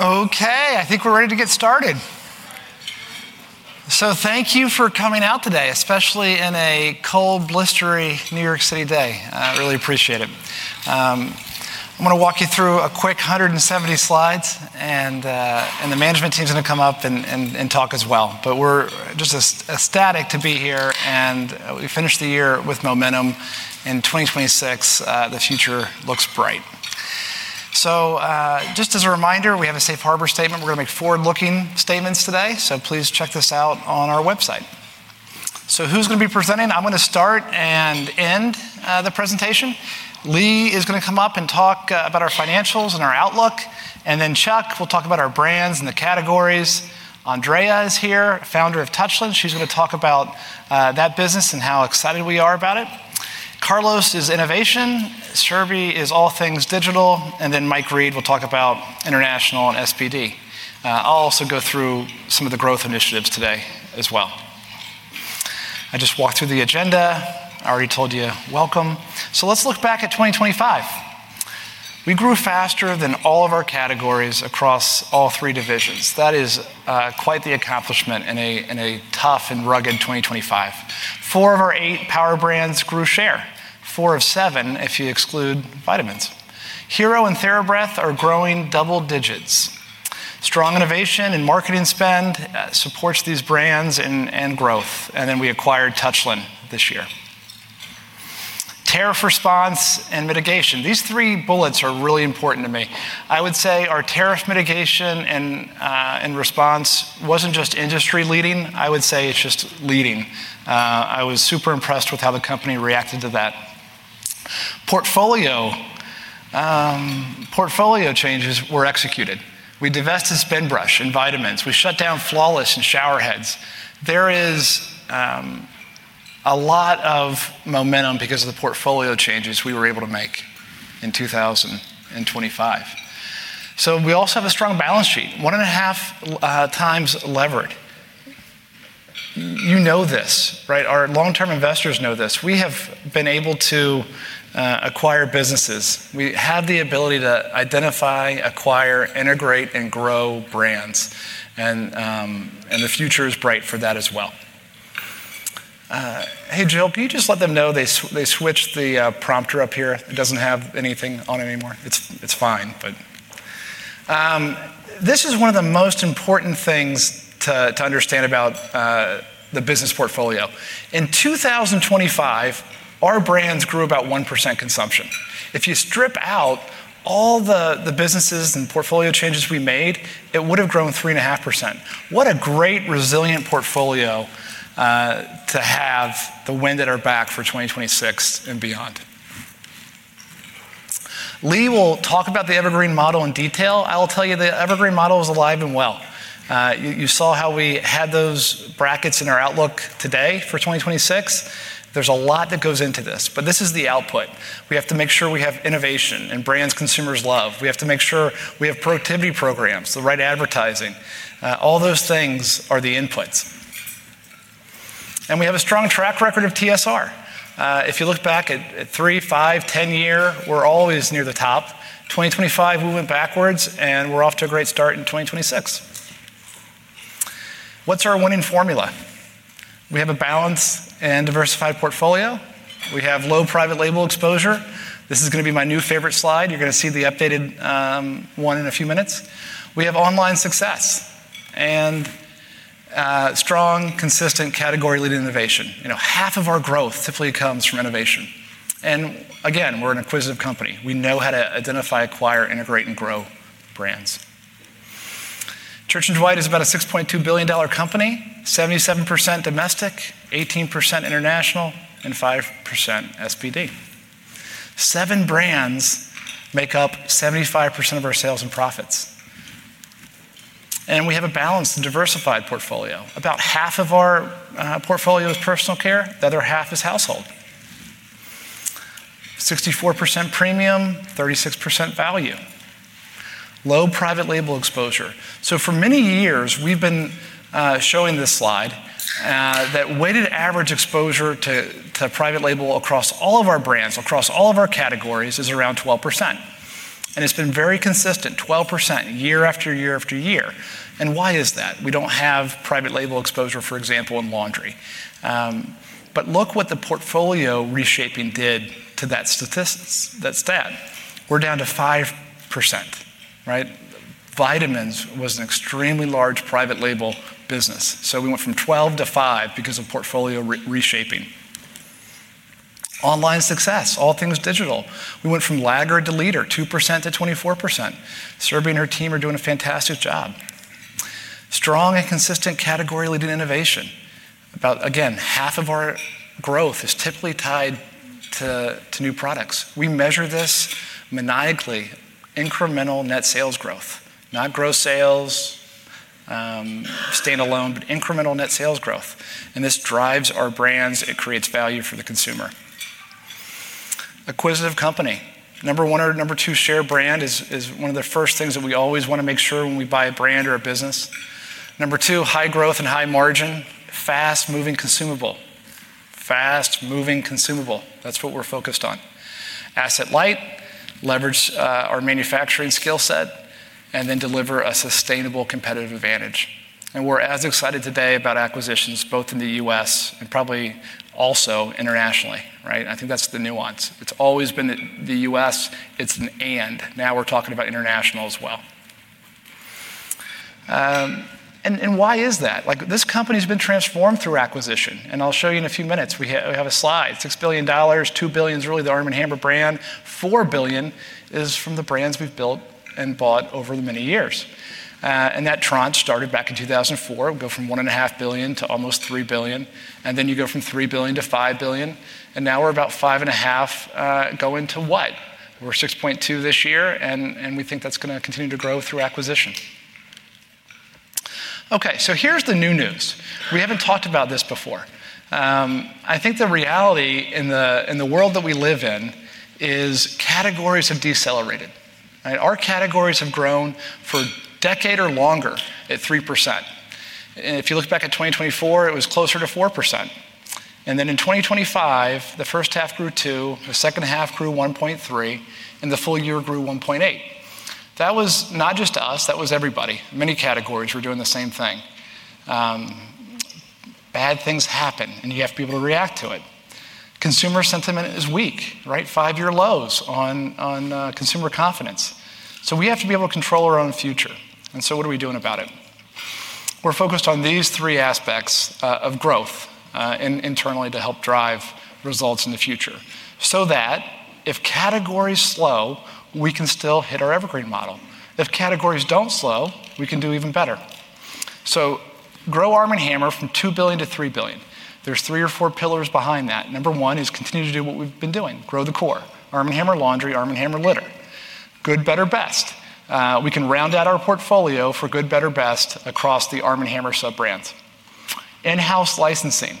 Okay, I think we're ready to get started. So thank you for coming out today, especially in a cold, blistery New York City day. I really appreciate it. I'm gonna walk you through a quick 170 slides, and the management team's gonna come up and talk as well. But we're just ecstatic to be here, and we finished the year with momentum. In 2026, the future looks bright. So, just as a reminder, we have a safe harbor statement. We're gonna make forward-looking statements today, so please check this out on our website. So who's gonna be presenting? I'm gonna start and end the presentation. Lee is gonna come up and talk about our financials and our outlook, and then Chuck will talk about our brands and the categories. Andrea is here, Founder of Touchland. She's gonna talk about that business and how excited we are about it. Carlos is Innovation, Surabhi is all things digital, and then Mike Read will talk about international and SPD. I'll also go through some of the growth initiatives today as well. I just walked through the agenda. I already told you, welcome. So let's look back at 2025. We grew faster than all of our categories across all three divisions. That is quite the accomplishment in a, in a tough and rugged 2025. Four of our eight power brands grew share, four of seven, if you exclude vitamins. Hero and TheraBreath are growing double digits. Strong innovation and marketing spend supports these brands and, and growth, and then we acquired Touchland this year. Tariff response and mitigation. These three bullets are really important to me. I would say our tariff mitigation and response wasn't just industry-leading, I would say it's just leading. I was super impressed with how the company reacted to that. Portfolio changes were executed. We divested Spinbrush and vitamins. We shut down Flawless and shower heads. There is a lot of momentum because of the portfolio changes we were able to make in 2025. So we also have a strong balance sheet, 1.5x levered. You know this, right? Our long-term investors know this. We have been able to acquire businesses. We have the ability to identify, acquire, integrate, and grow brands, and the future is bright for that as well. Hey, Jill, can you just let them know they switched the prompter up here? It doesn't have anything on it anymore. It's, it's fine, but... This is one of the most important things to, to understand about the business portfolio. In 2025, our brands grew about 1% consumption. If you strip out all the, the businesses and portfolio changes we made, it would have grown 3.5%. What a great, resilient portfolio to have the wind at our back for 2026 and beyond. Lee will talk about the Evergreen Model in detail. I will tell you, the Evergreen Model is alive and well. You, you saw how we had those brackets in our outlook today for 2026. There's a lot that goes into this, but this is the output. We have to make sure we have innovation and brands consumers love. We have to make sure we have productivity programs, the right advertising. All those things are the inputs. And we have a strong track record of TSR. If you look back at three, five, 10-year, we're always near the top. 2025, we went backwards, and we're off to a great start in 2026. What's our winning formula? We have a balanced and diversified portfolio. We have low private label exposure. This is gonna be my new favorite slide. You're gonna see the updated one in a few minutes. We have online success and strong, consistent, category-leading innovation. You know, half of our growth typically comes from innovation, and again, we're an acquisitive company. We know how to identify, acquire, integrate, and grow brands. Church & Dwight is about a $6.2 billion company, 77% domestic, 18% international, and 5% SPD. Seven brands make up 75% of our sales and profits, and we have a balanced and diversified portfolio. About half of our portfolio is personal care, the other half is household. 64% premium, 36% value, low private label exposure. So for many years, we've been showing this slide that weighted average exposure to private label across all of our brands, across all of our categories, is around 12%, and it's been very consistent, 12%, year after year after year. And why is that? We don't have private label exposure, for example, in laundry. But look what the portfolio reshaping did to that statistics, that stat. We're down to 5%, right? Vitamins was an extremely large private label business, so we went from 12 to five because of portfolio reshaping. Online success, all things digital. We went from laggard to leader, 2% to 24%. Surabhi and her team are doing a fantastic job. Strong and consistent category-leading innovation. About, again, half of our growth is typically tied to, to new products. We measure this maniacally, incremental net sales growth, not gross sales, standalone, but incremental net sales growth, and this drives our brands. It creates value for the consumer. Acquisitive company. Number one or number two share brand is, is one of the first things that we always wanna make sure when we buy a brand or a business. Number two, high growth and high margin, fast-moving consumable.... fast moving consumable. That's what we're focused on. Asset light, leverage our manufacturing skill set, and then deliver a sustainable competitive advantage. We're as excited today about acquisitions both in the U.S. and probably also internationally, right? I think that's the nuance. It's always been that the U.S., it's an and, now we're talking about international as well. And why is that? Like, this company's been transformed through acquisition, and I'll show you in a few minutes. We have a slide, $6 billion, $2 billion is really the Arm & Hammer brand. $4 billion is from the brands we've built and bought over the many years. And that tranche started back in 2004, go from $1.5 billion to almost $3 billion, and then you go from $3 billion to $5 billion, and now we're about $5.5 billion, going to what? We're $6.2 billion this year, and we think that's gonna continue to grow through acquisition. Okay, so here's the new news. We haven't talked about this before. I think the reality in the world that we live in is categories have decelerated. Right? Our categories have grown for a decade or longer at 3%. And if you look back at 2024, it was closer to 4%, and then in 2025, the first half grew 2%, the second half grew 1.3%, and the full year grew 1.8%. That was not just us, that was everybody. Many categories were doing the same thing. Bad things happen, and you have to be able to react to it. Consumer sentiment is weak, right? Five-year lows on consumer confidence. So we have to be able to control our own future, and so what are we doing about it? We're focused on these three aspects of growth internally to help drive results in the future, so that if categories slow, we can still hit our Evergreen Model. If categories don't slow, we can do even better. So grow Arm & Hammer from $2 billion to $3 billion. There's three or four pillars behind that. Number one is continue to do what we've been doing, grow the core. Arm & Hammer Laundry, Arm & Hammer Litter. Good, Better, Best. We can round out our portfolio for Good, Better, Best across the Arm & Hammer sub-brands. In-house licensing,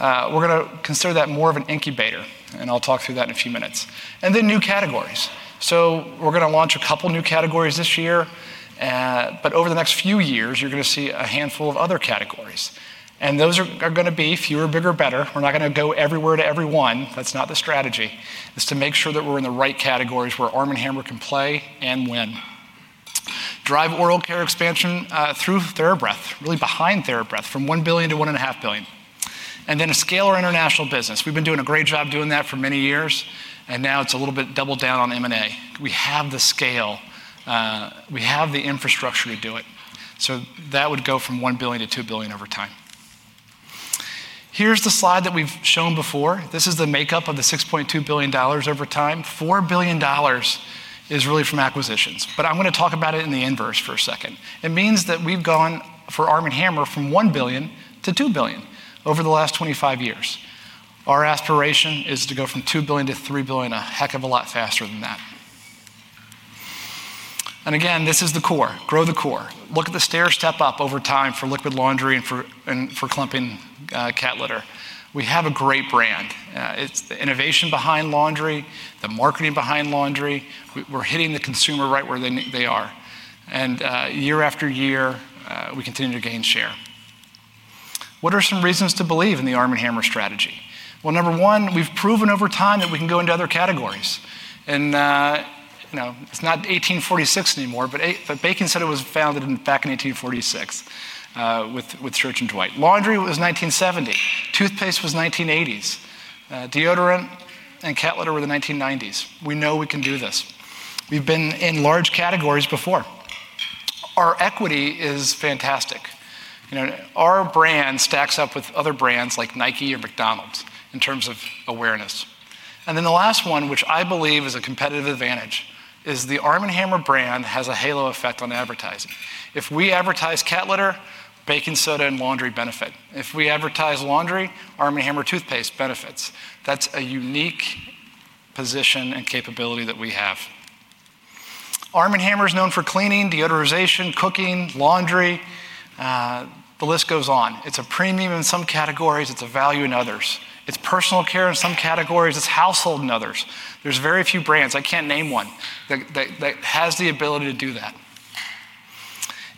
we're gonna consider that more of an incubator, and I'll talk through that in a few minutes. And then new categories. So we're gonna launch a couple new categories this year, but over the next few years, you're gonna see a handful of other categories, and those are gonna be fewer, bigger, better. We're not gonna go everywhere to everyone. That's not the strategy. It's to make sure that we're in the right categories where Arm & Hammer can play and win. Oral care expansion through TheraBreath, really behind TheraBreath, from $1 billion to $1.5 billion. And then scale our international business. We've been doing a great job doing that for many years, and now it's a little bit double down on M&A. We have the scale, we have the infrastructure to do it, so that would go from $1 billion to $2 billion over time. Here's the slide that we've shown before. This is the makeup of the $6.2 billion over time. $4 billion is really from acquisitions, but I'm gonna talk about it in the inverse for a second. It means that we've gone, for Arm & Hammer, from $1 billion-$2 billion over the last 25 years. Our aspiration is to go from $2 billion-$3 billion a heck of a lot faster than that. And again, this is the core. Grow the core. Look at the stair step up over time for liquid laundry and for clumping cat litter. We have a great brand. It's the innovation behind laundry, the marketing behind laundry. We're hitting the consumer right where they are. And year after year, we continue to gain share. What are some reasons to believe in the Arm & Hammer strategy? Well, number one, we've proven over time that we can go into other categories. And, you know, it's not 1846 anymore, but baking soda was founded back in 1846 with Church & Dwight. Laundry was 1970. Toothpaste was 1980s. Deodorant and cat litter were the 1990s. We know we can do this. We've been in large categories before. Our equity is fantastic. You know, our brand stacks up with other brands like Nike or McDonald's in terms of awareness. And then the last one, which I believe is a competitive advantage, is the Arm & Hammer brand has a halo effect on advertising. If we advertise cat litter, baking soda, and laundry benefit. If we advertise laundry, Arm & Hammer toothpaste benefits. That's a unique position and capability that we have. Arm & Hammer is known for cleaning, deodorization, cooking, laundry, the list goes on. It's a premium in some categories, it's a value in others. It's personal care in some categories, it's household in others. There's very few brands, I can't name one, that has the ability to do that.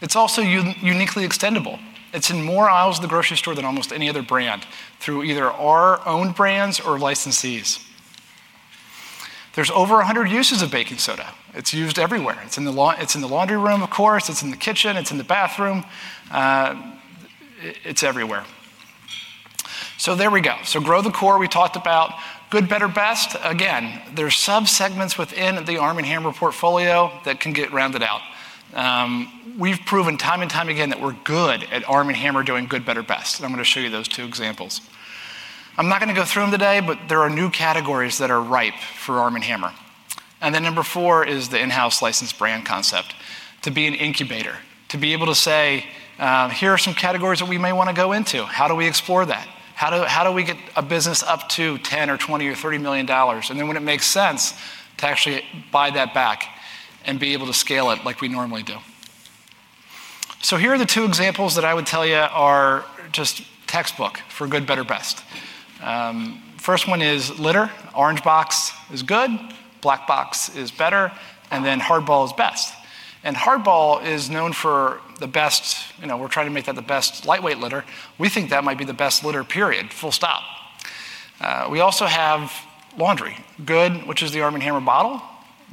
It's also uniquely extendable. It's in more aisles of the grocery store than almost any other brand, through either our own brands or licensees. There's over a hundred uses of baking soda. It's used everywhere. It's in the laundry room, of course, it's in the kitchen, it's in the bathroom, it's everywhere. So there we go. So grow the core, we talked about. Good, better, best, again, there are subsegments within the Arm & Hammer portfolio that can get rounded out. We've proven time and time again that we're good at Arm & Hammer doing good, better, best, and I'm gonna show you those two examples. I'm not gonna go through them today, but there are new categories that are ripe for Arm & Hammer. And then number four is the in-house licensed brand concept, to be an incubator, to be able to say, "Here are some categories that we may wanna go into. How do we explore that? How do we get a business up to $10 million or $20 million or $30 million?" And then when it makes sense, to actually buy that back and be able to scale it like we normally do. So here are the two examples that I would tell you are just textbook for good, better, best. First one is litter. Orange box is good, black box is better, and then Hardball is best. Hardball is known for the best, you know, we're trying to make that the best lightweight litter. We think that might be the best litter, period, full stop. We also have laundry. Good, which is the Arm & Hammer bottle,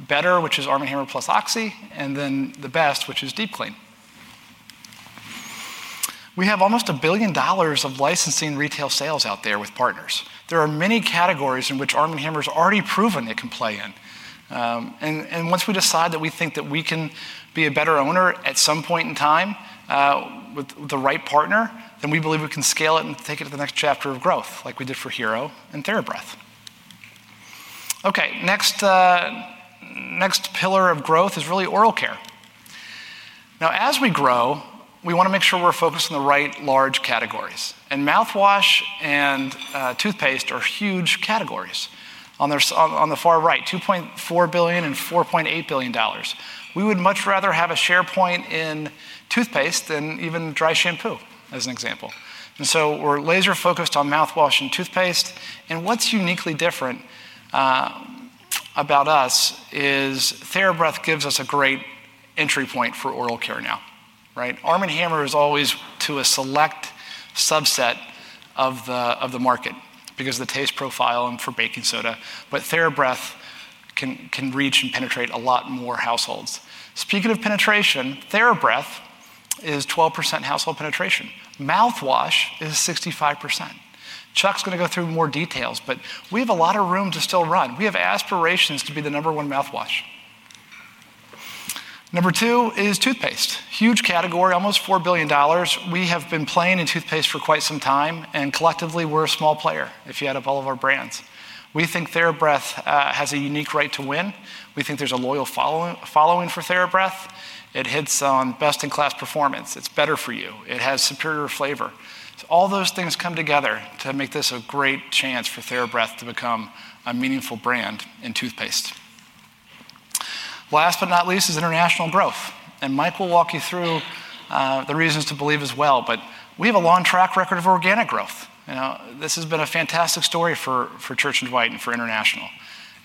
better, which is Arm & Hammer plus Oxi, and then the best, which is Deep Clean. We have almost $1 billion of licensing retail sales out there with partners. There are many categories in which Arm & Hammer's already proven it can play in. Once we decide that we think that we can be a better owner at some point in time, with the right partner, then we believe we can scale it and take it to the next chapter of growth, like we did for Hero and TheraBreath. Okay, next, next pillar of growth is oral care. now, as we grow, we wanna make sure we're focused on the right large categories, and mouthwash and toothpaste are huge categories. On the far right, $2.4 billion and $4.8 billion. We would much rather have a share point in toothpaste than even dry shampoo, as an example. And so we're laser focused on mouthwash and toothpaste, and what's uniquely different about us is TheraBreath gives us a great entry point oral care now, right? Arm & Hammer is always to a select subset of the market because of the taste profile and for baking soda, but TheraBreath can reach and penetrate a lot more households. Speaking of penetration, TheraBreath is 12% household penetration. Mouthwash is 65%. Chuck's gonna go through more details, but we have a lot of room to still run. We have aspirations to be the number one mouthwash. Number two is toothpaste. Huge category, almost $4 billion. We have been playing in toothpaste for quite some time, and collectively, we're a small player if you add up all of our brands. We think TheraBreath has a unique right to win. We think there's a loyal following for TheraBreath. It hits on best-in-class performance. It's better for you. It has superior flavor. So all those things come together to make this a great chance for TheraBreath to become a meaningful brand in toothpaste. Last but not least is international growth, and Mike will walk you through the reasons to believe as well, but we have a long track record of organic growth. You know, this has been a fantastic story for Church & Dwight and for international,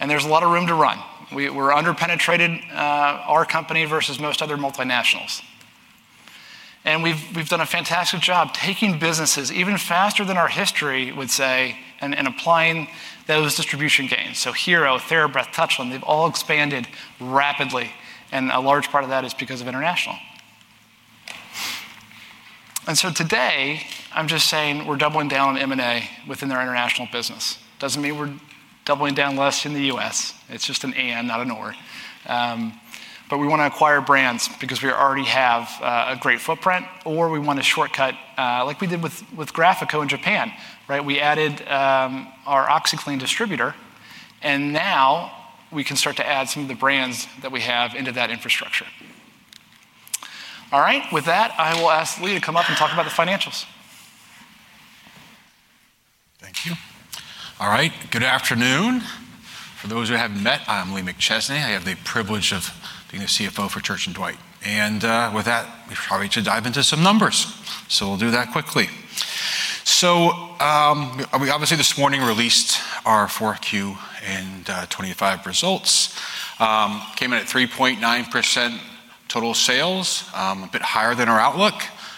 and there's a lot of room to run. We're under-penetrated, our company versus most other multinationals. And we've done a fantastic job taking businesses even faster than our history would say, and applying those distribution gains. So Hero, TheraBreath, Touchland, they've all expanded rapidly, and a large part of that is because of international. And so today, I'm just saying we're doubling down on M&A within our international business. Doesn't mean we're doubling down less in the U.S. It's just an and, not an or. But we wanna acquire brands because we already have a great footprint, or we want to shortcut, like we did with Graphico in Japan, right? We added our OxiClean distributor, and now we can start to add some of the brands that we have into that infrastructure. All right. With that, I will ask Lee to come up and talk about the financials. Thank you. All right, good afternoon. For those who I haven't met, I'm Lee McChesney. I have the privilege of being the CFO for Church & Dwight, and with that, we probably should dive into some numbers, so we'll do that quickly. So, we obviously this morning released our Q4 2025 results. Came in at 3.9% total sales, a bit higher than our outlook.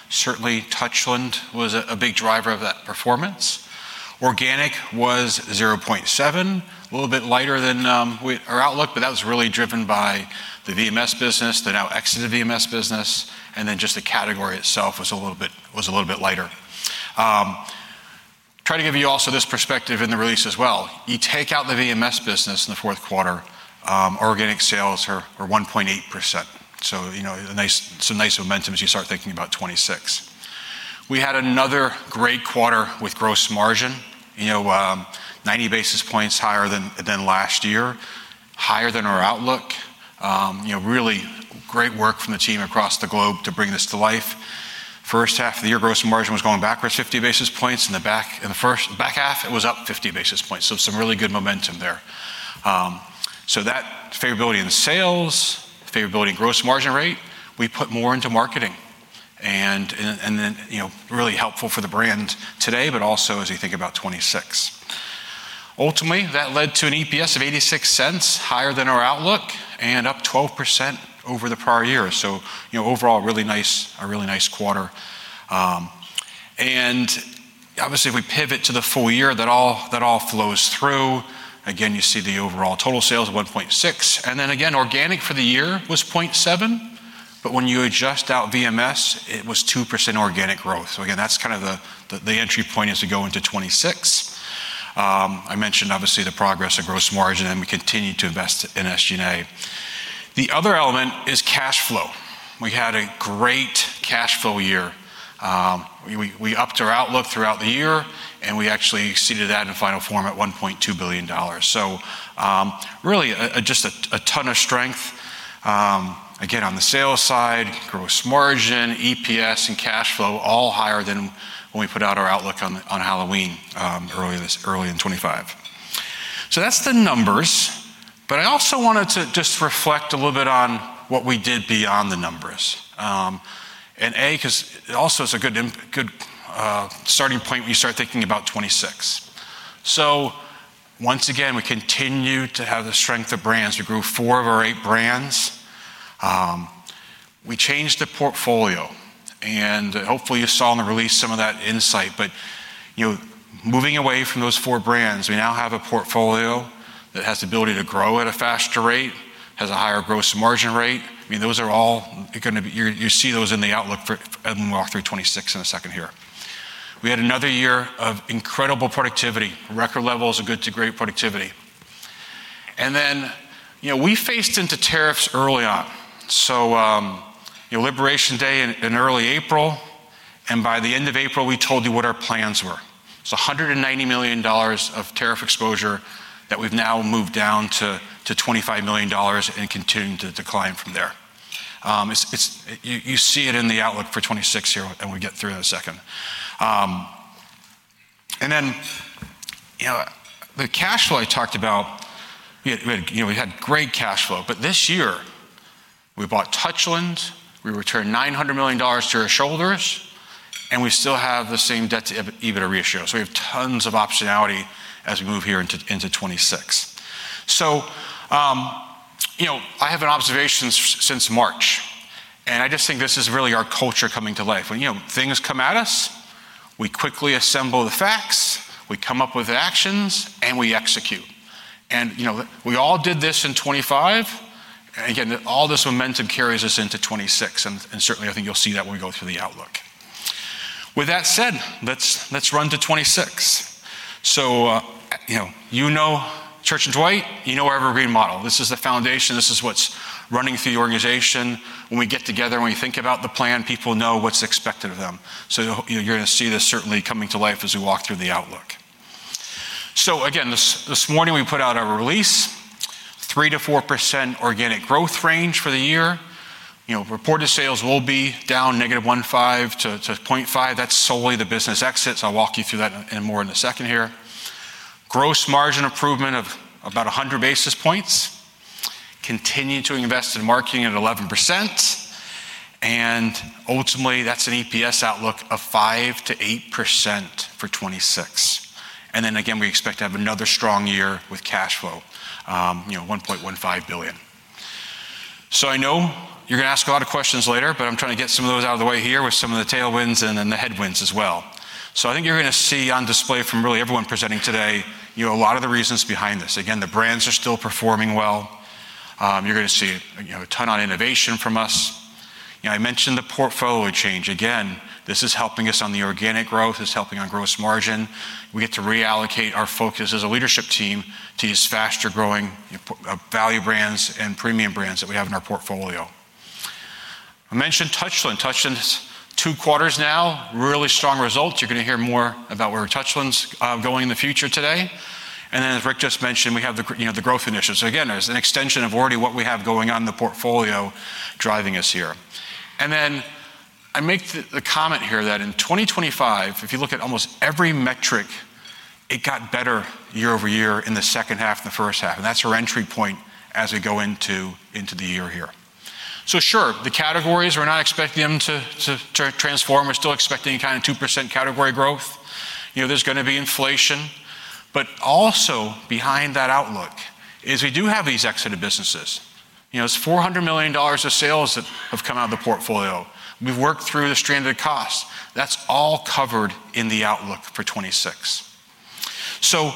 Certainly, Touchland was a big driver of that performance. Organic was 0.7%, a little bit lighter than our outlook, but that was really driven by the VMS business, the now exit of VMS business, and then just the category itself was a little bit, was a little bit lighter. Try to give you also this perspective in the release as well. You take out the VMS business in the fourth quarter, organic sales are 1.8%. So, you know, a nice, some nice momentum as you start thinking about 2026. We had another great quarter with gross margin, you know, 90 basis points higher than last year, higher than our outlook. You know, really great work from the team across the globe to bring this to life. First half of the year, gross margin was going backwards 50 basis points. In the back half, it was up 50 basis points, so some really good momentum there. So that favorability in the sales, favorability in gross margin rate, we put more into marketing and, and then, you know, really helpful for the brand today, but also as you think about 2026. Ultimately, that led to an EPS of $0.86, higher than our outlook and up 12% over the prior year. So, you know, overall, a really nice, a really nice quarter. And obviously, if we pivot to the full year, that all flows through. Again, you see the overall total sales of $1.6 billion, and then again, organic for the year was 0.7%, but when you adjust out VMS, it was 2% organic growth. So again, that's kind of the entry point as you go into 2026. I mentioned obviously the progress of gross margin, and we continue to invest in SG&A. The other element is cash flow. We had a great cash flow year. We upped our outlook throughout the year, and we actually exceeded that in final form at $1.2 billion. So, really just a ton of strength, again, on the sales side, gross margin, EPS, and cash flow, all higher than when we put out our outlook on Halloween, early in 2025. So that's the numbers, but I also wanted to just reflect a little bit on what we did beyond the numbers. And 'cause it also is a good starting point when you start thinking about 2026. So once again, we continue to have the strength of brands. We grew four of our eight brands. We changed the portfolio, and hopefully, you saw in the release some of that insight. But, you know, moving away from those four brands, we now have a portfolio that has the ability to grow at a faster rate, has a higher gross margin rate. I mean, those are all going to be—you see those in the outlook for, and we'll walk through 2026 in a second here. We had another year of incredible productivity, record levels of good to great productivity. And then, you know, we faced into tariffs early on, so, you know, Liberation Day in early April, and by the end of April, we told you what our plans were. So $190 million of tariff exposure that we've now moved down to $25 million and continuing to decline from there. It's, you see it in the outlook for 2026 here, and we'll get through in a second. And then, you know, the cash flow I talked about, we had great cash flow, but this year, we bought Touchland, we returned $900 million to our shareholders, and we still have the same debt to EBITDA ratio. So we have tons of optionality as we move here into 2026. So, you know, I have an observation since March, and I just think this is really our culture coming to life. When, you know, things come at us, we quickly assemble the facts, we come up with actions, and we execute. And, you know, we all did this in 2025, and again, all this momentum carries us into 2026, and certainly, I think you'll see that when we go through the outlook. With that said, let's run to 2026. So, you know, you know, Church & Dwight, you know our Evergreen Model. This is the foundation. This is what's running through the organization. When we get together, when we think about the plan, people know what's expected of them. So, you know, you're going to see this certainly coming to life as we walk through the outlook. So again, this, this morning, we put out a release, 3%-4% organic growth range for the year. You know, reported sales will be down -1.5% to -0.5%. That's solely the business exits. I'll walk you through that in more in a second here. Gross margin improvement of about 100 basis points, continue to invest in marketing at 11%, and ultimately, that's an EPS outlook of 5%-8% for 2026. And then again, we expect to have another strong year with cash flow, you know, $1.15 billion. So I know you're going to ask a lot of questions later, but I'm trying to get some of those out of the way here with some of the tailwinds and then the headwinds as well. So I think you're going to see on display from really everyone presenting today, you know, a lot of the reasons behind this. Again, the brands are still performing well. You're going to see, you know, a ton on innovation from us. You know, I mentioned the portfolio change. Again, this is helping us on the organic growth; it's helping on gross margin. We get to reallocate our focus as a leadership team to these faster-growing, value brands and premium brands that we have in our portfolio. I mentioned Touchland. Touchland is two quarters now, really strong results. You're going to hear more about where Touchland's going in the future today. And then, as Rick just mentioned, we have the—you know, the growth initiatives. So again, there's an extension of already what we have going on in the portfolio, driving us here. And then I make the comment here that in 2025, if you look at almost every metric, it got better year-over-year in the second half than the first half, and that's our entry point as we go into the year here. So sure, the categories, we're not expecting them to transform. We're still expecting kind of 2% category growth. You know, there's going to be inflation, but also behind that outlook is we do have these exited businesses. You know, it's $400 million of sales that have come out of the portfolio. We've worked through the stranded costs. That's all covered in the outlook for 2026. So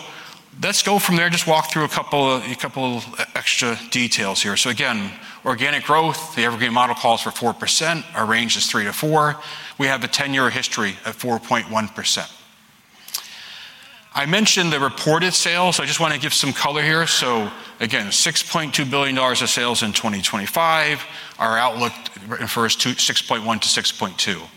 let's go from there. Just walk through a couple of, a couple of extra details here. So again, organic growth, the Evergreen Model calls for 4%. Our range is 3%-4%. We have a 10-year history of 4.1%. I mentioned the reported sales. I just want to give some color here. So again, $6.2 billion of sales in 2025. Our outlook refers to $6.1 billion-$6.2 billion.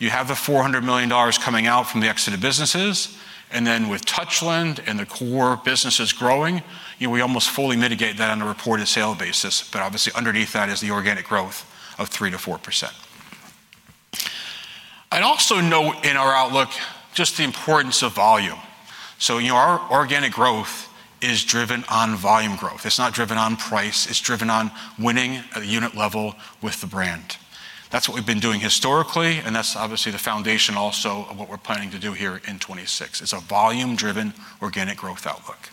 You have the $400 million coming out from the exited businesses, and then with Touchland and the core businesses growing, you know, we almost fully mitigate that on a reported sale basis, but obviously, underneath that is the organic growth of 3%-4%. I'd also note in our outlook, just the importance of volume. So, you know, our organic growth is driven on volume growth. It's not driven on price, it's driven on winning at the unit level with the brand. That's what we've been doing historically, and that's obviously the foundation also of what we're planning to do here in 2026, is a volume-driven, organic growth outlook.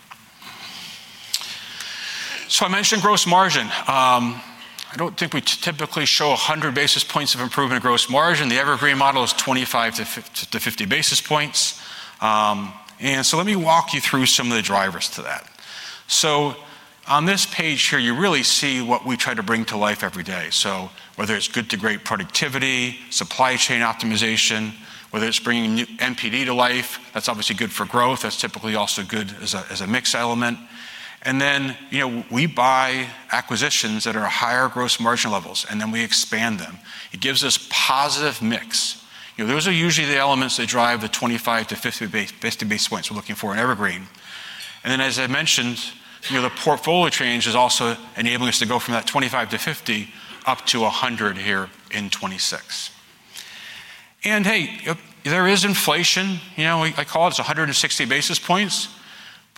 So I mentioned gross margin. I don't think we typically show 100 basis points of improvement in gross margin. The Evergreen model is 25-50 basis points. And so let me walk you through some of the drivers to that. So on this page here, you really see what we try to bring to life every day. So whether it's good to great productivity, supply chain optimization, whether it's bringing new NPD to life, that's obviously good for growth, that's typically also good as a, as a mix element. And then, you know, we buy acquisitions that are higher gross margin levels, and then we expand them. It gives us positive mix. You know, those are usually the elements that drive the 25-50 basis points we're looking for in Evergreen. And then, as I mentioned, you know, the portfolio change is also enabling us to go from that 25-50, up to 100 here in 2026. And hey, there is inflation. You know, we, I call it 160 basis points,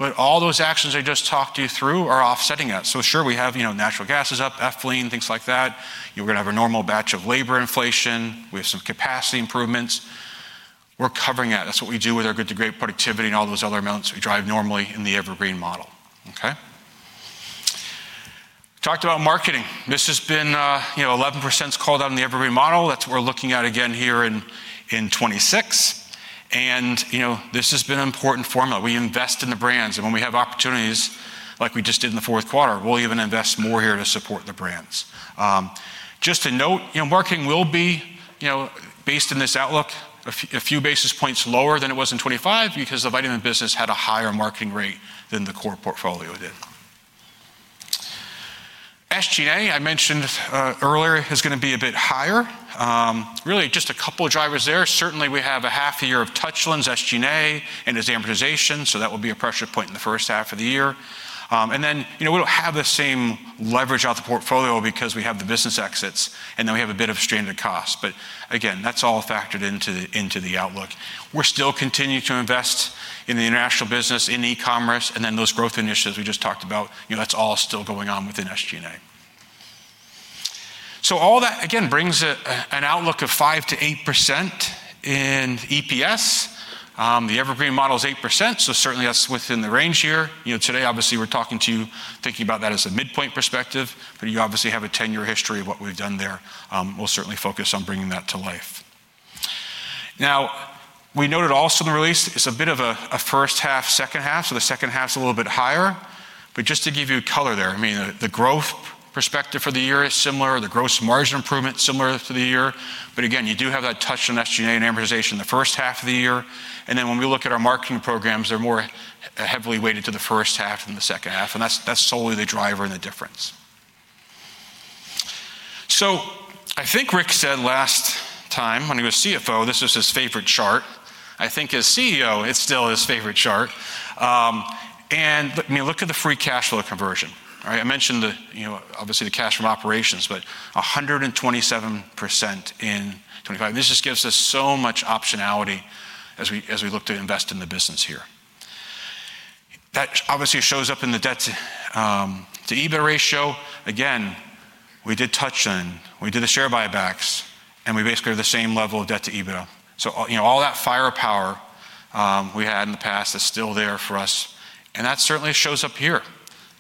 but all those actions I just talked you through are offsetting that. So sure, we have, you know, natural gas is up, ethylene, things like that. We're gonna have a normal batch of labor inflation. We have some capacity improvements. We're covering that. That's what we do with our good to great productivity and all those other amounts we drive normally in the Evergreen Model, okay? Talked about marketing. This has been, you know, 11%'s called out in the Evergreen Model. That's what we're looking at again here in, in 2026. And, you know, this has been an important formula. We invest in the brands, and when we have opportunities, like we just did in the fourth quarter, we'll even invest more here to support the brands. Just to note, you know, marketing will be, you know, based on this outlook, a few basis points lower than it was in 2025 because the vitamin business had a higher marketing rate than the core portfolio did. SG&A, I mentioned, earlier, is gonna be a bit higher. Really, just a couple of drivers there. Certainly, we have a half a year of Touchland's SG&A, and there's amortization, so that will be a pressure point in the first half of the year. And then, you know, we don't have the same leverage out the portfolio because we have the business exits, and then we have a bit of standard cost. But again, that's all factored into the outlook. We're still continuing to invest in the international business, in e-commerce, and then those growth initiatives we just talked about, you know, that's all still going on within SG&A. So all that, again, brings an outlook of 5%-8% in EPS. The evergreen model is 8%, so certainly that's within the range here. You know, today, obviously, we're talking to you, thinking about that as a midpoint perspective, but you obviously have a 10-year history of what we've done there. We'll certainly focus on bringing that to life. Now, we noted also in the release, it's a bit of a first half, second half, so the second half's a little bit higher. But just to give you color there, I mean, the growth perspective for the year is similar, the gross margin improvement similar for the year. But again, you do have that touch on SG&A and amortization in the first half of the year. And then when we look at our marketing programs, they're more heavily weighted to the first half than the second half, and that's, that's solely the driver and the difference. So I think Rick said last time when he was CFO, this was his favorite chart. I think as CEO, it's still his favorite chart. And I mean, look at the free cash flow conversion, all right? I mentioned the, you know, obviously, the cash from operations, but 127% in 2025. This just gives us so much optionality as we, as we look to invest in the business here. That obviously shows up in the debt to EBITDA ratio. Again, we did Touchland, we did the share buybacks, and we basically have the same level of debt to EBITDA. So, you know, all that firepower we had in the past is still there for us, and that certainly shows up here.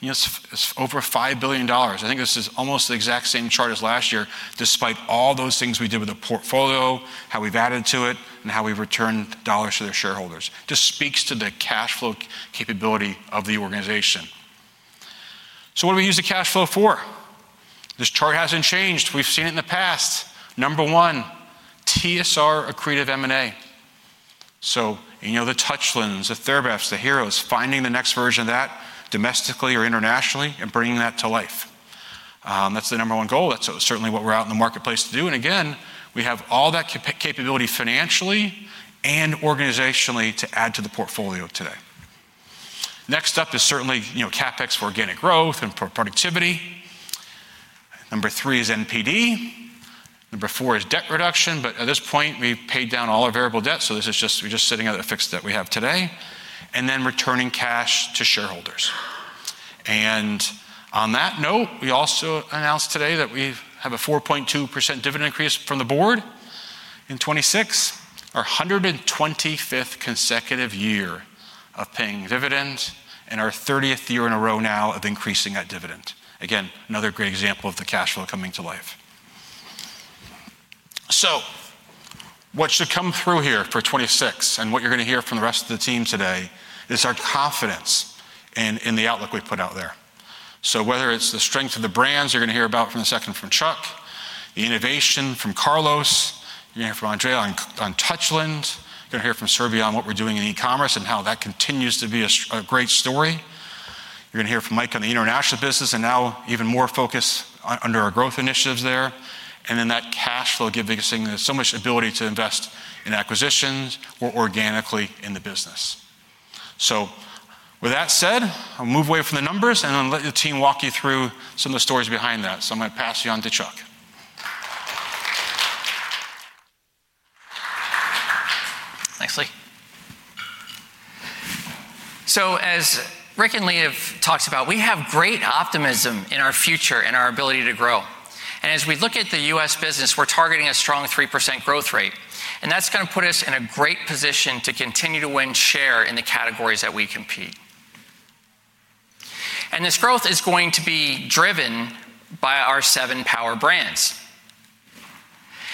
You know, it's over $5 billion. I think this is almost the exact same chart as last year, despite all those things we did with the portfolio, how we've added to it, and how we've returned dollars to the shareholders. Just speaks to the cash flow capability of the organization. So what do we use the cash flow for? This chart hasn't changed. We've seen it in the past. Number one, TSR accretive M&A. So, you know, the Touchland, the TheraBreath, the Hero, finding the next version of that, domestically or internationally, and bringing that to life. That's the number one goal. That's certainly what we're out in the marketplace to do. And again, we have all that capability financially and organizationally to add to the portfolio today. Next up is certainly, you know, CapEx for organic growth and for productivity. Number three is NPD. Number four is debt reduction, but at this point, we've paid down all our variable debt, so this is just - we're just sitting at the fixed debt we have today, and then returning cash to shareholders. And on that note, we also announced today that we have a 4.2% dividend increase from the board in 2026, our 125th consecutive year of paying dividends and our 30th year in a row now of increasing that dividend. Again, another great example of the cash flow coming to life. So what should come through here for 2026, and what you're gonna hear from the rest of the team today, is our confidence in the outlook we've put out there. So whether it's the strength of the brands, you're gonna hear about from the second from Chuck, the innovation from Carlos, you're gonna hear from Andrea on Touchland, you're gonna hear from Surabhi on what we're doing in e-commerce and how that continues to be a great story. You're gonna hear from Mike on the international business, and now even more focus under our growth initiatives there. And then that cash flow giving us so much ability to invest in acquisitions or organically in the business. So with that said, I'll move away from the numbers, and I'll let the team walk you through some of the stories behind that. I'm gonna pass you on to Chuck. Thanks, Lee. So as Rick and Lee have talked about, we have great optimism in our future and our ability to grow. And as we look at the U.S. business, we're targeting a strong 3% growth rate, and that's gonna put us in a great position to continue to win share in the categories that we compete. And this growth is going to be driven by our seven power brands.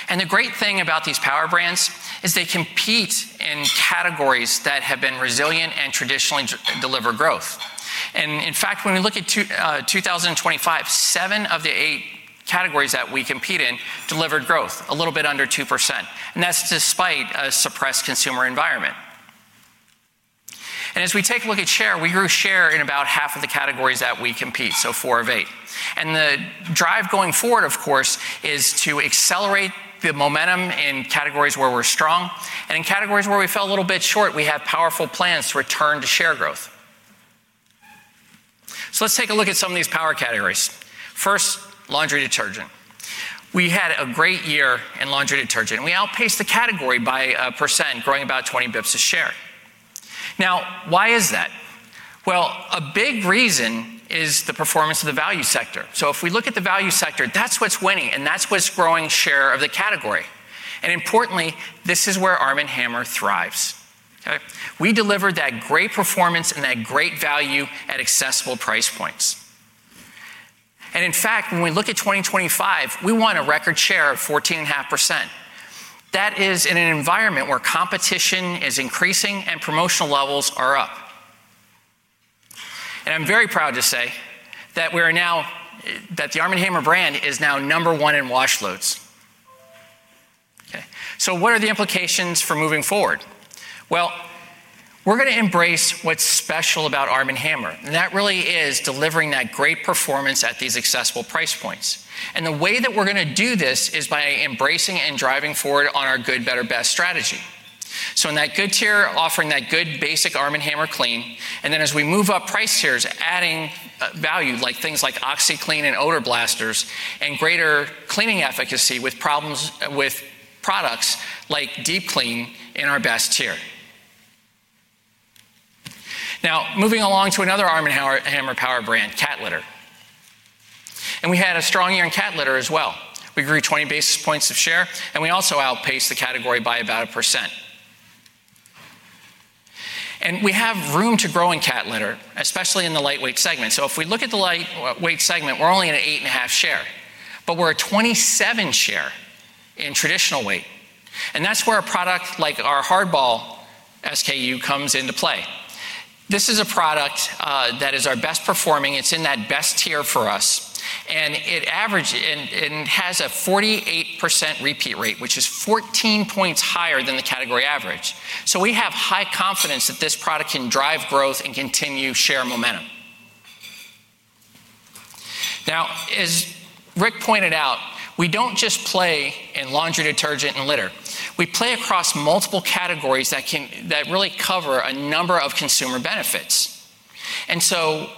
And the great thing about these power brands is they compete in categories that have been resilient and traditionally deliver growth. And in fact, when we look at 2025, seven of the eight categories that we compete in delivered growth, a little bit under 2%, and that's despite a suppressed consumer environment. As we take a look at share, we grew share in about half of the categories that we compete, so four of eight. The drive going forward, of course, is to accelerate the momentum in categories where we're strong. In categories where we fell a little bit short, we have powerful plans to return to share growth... Let's take a look at some of these power categories. First, laundry detergent. We had a great year in laundry detergent, and we outpaced the category by 1%, growing about 20 basis points of share. Now, why is that? Well, a big reason is the performance of the value sector. If we look at the value sector, that's what's winning, and that's what's growing share of the category. Importantly, this is where Arm & Hammer thrives, okay? We delivered that great performance and that great value at accessible price points. In fact, when we look at 2025, we want a record share of 14.5%. That is in an environment where competition is increasing and promotional levels are up. I'm very proud to say that we are now, that the Arm & Hammer brand is now number one in wash loads. Okay, so what are the implications for moving forward? Well, we're going to embrace what's special about Arm & Hammer, and that really is delivering that great performance at these accessible price points. The way that we're going to do this is by embracing and driving forward on our Good, Better, Best strategy. So in that good tier, offering that good, basic Arm & Hammer clean, and then as we move up price tiers, adding value, like things like OxiClean and Odor Blasters and greater cleaning efficacy with problems, with products like Deep Clean in our best tier. Now, moving along to another Arm & Hammer power brand, cat litter. And we had a strong year in cat litter as well. We grew 20 basis points of share, and we also outpaced the category by about 1%. And we have room to grow in cat litter, especially in the lightweight segment. So if we look at the lightweight segment, we're only in an 8.5 share, but we're a 27 share in traditional weight. And that's where a product like our Hardball SKU comes into play. This is a product that is our best performing. It's in that best tier for us, and it has a 48% repeat rate, which is 14 points higher than the category average. So we have high confidence that this product can drive growth and continue share momentum. Now, as Rick pointed out, we don't just play in laundry detergent and litter. We play across multiple categories that can, that really cover a number of consumer benefits. And so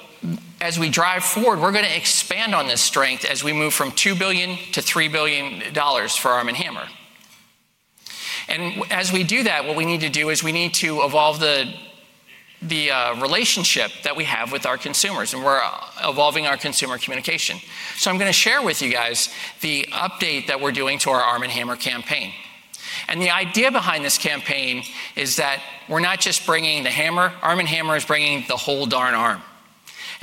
as we drive forward, we're going to expand on this strength as we move from $2 billion to $3 billion for Arm & Hammer. And as we do that, what we need to do is we need to evolve the relationship that we have with our consumers, and we're evolving our consumer communication. So I'm going to share with you guys the update that we're doing to our Arm & Hammer campaign. The idea behind this campaign is that we're not just bringing the hammer, Arm & Hammer is bringing the whole darn arm.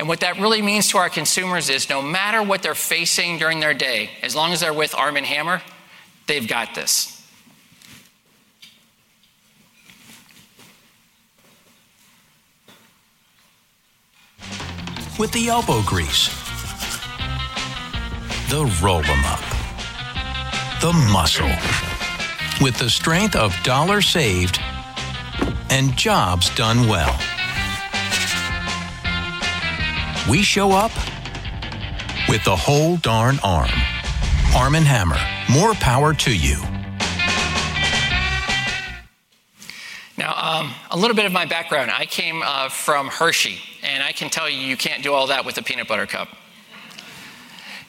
What that really means to our consumers is no matter what they're facing during their day, as long as they're with Arm & Hammer, they've got this. With the elbow grease, the roll 'em up, the muscle, with the strength of dollar saved and jobs done well. We show up with the whole darn arm. Arm & Hammer, more power to you. Now, a little bit of my background. I came from Hershey, and I can tell you, you can't do all that with a peanut butter cup.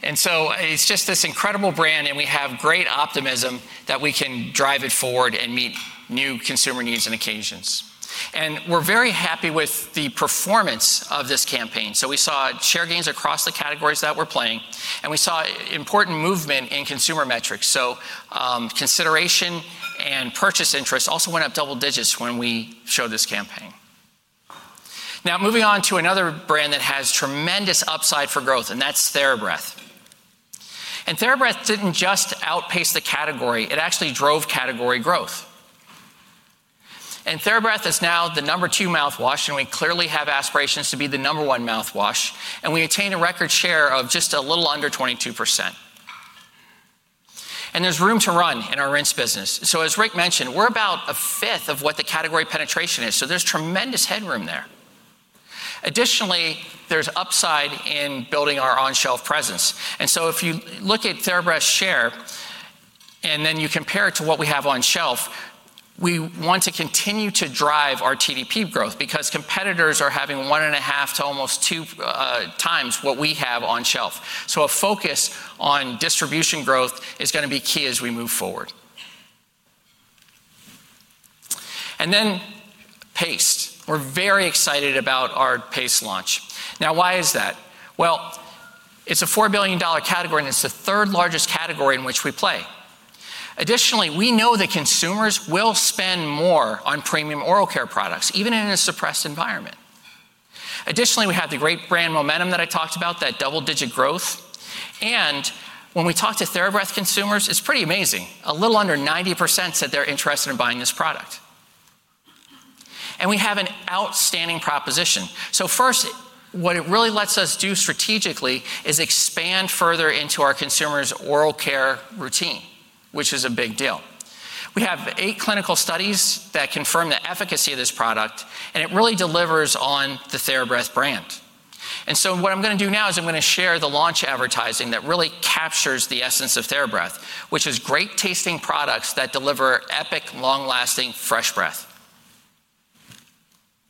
And so it's just this incredible brand, and we have great optimism that we can drive it forward and meet new consumer needs and occasions. And we're very happy with the performance of this campaign. So we saw share gains across the categories that we're playing, and we saw important movement in consumer metrics. So, consideration and purchase interest also went up double digits when we showed this campaign. Now, moving on to another brand that has tremendous upside for growth, and that's TheraBreath. And TheraBreath didn't just outpace the category, it actually drove category growth. TheraBreath is now the number two mouthwash, and we clearly have aspirations to be the number one mouthwash, and we attain a record share of just a little under 22%. There's room to run in our rinse business. So as Rick mentioned, we're about a fifth of what the category penetration is, so there's tremendous headroom there. Additionally, there's upside in building our on-shelf presence. So if you look at TheraBreath share, and then you compare it to what we have on shelf, we want to continue to drive our TDP growth because competitors are having 1.5x-almost 2x what we have on shelf. So a focus on distribution growth is going to be key as we move forward. Then paste. We're very excited about our paste launch. Now, why is that? Well, it's a $4 billion category, and it's the third largest category in which we play. Additionally, we know that consumers will spend more on oral care products, even in a suppressed environment. Additionally, we have the great brand momentum that I talked about, that double-digit growth. And when we talk to TheraBreath consumers, it's pretty amazing. A little under 90% said they're interested in buying this product. And we have an outstanding proposition. So first, what it really lets us do strategically is expand further into our oral care routine, which is a big deal. We have eight clinical studies that confirm the efficacy of this product, and it really delivers on the TheraBreath brand. What I'm going to do now is I'm going to share the launch advertising that really captures the essence of TheraBreath, which is great-tasting products that deliver epic, long-lasting fresh breath. ...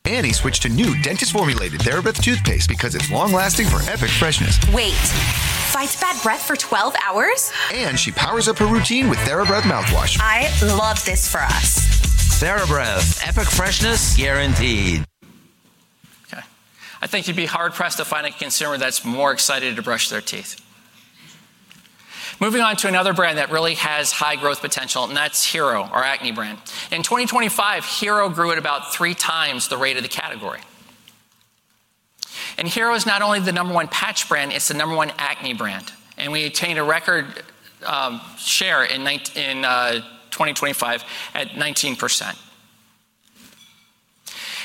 Annie switched to new dentist-formulated TheraBreath toothpaste because it's long-lasting for epic freshness. Wait, fights bad breath for 12 hours? She powers up her routine with TheraBreath mouthwash. I love this for us. TheraBreath, epic freshness guaranteed. Okay. I think you'd be hard-pressed to find a consumer that's more excited to brush their teeth. Moving on to another brand that really has high growth potential, and that's Hero, our acne brand. In 2025, Hero grew at about 3x the rate of the category. And Hero is not only the number one patch brand, it's the number one acne brand, and we attained a record share in 2025 at 19%.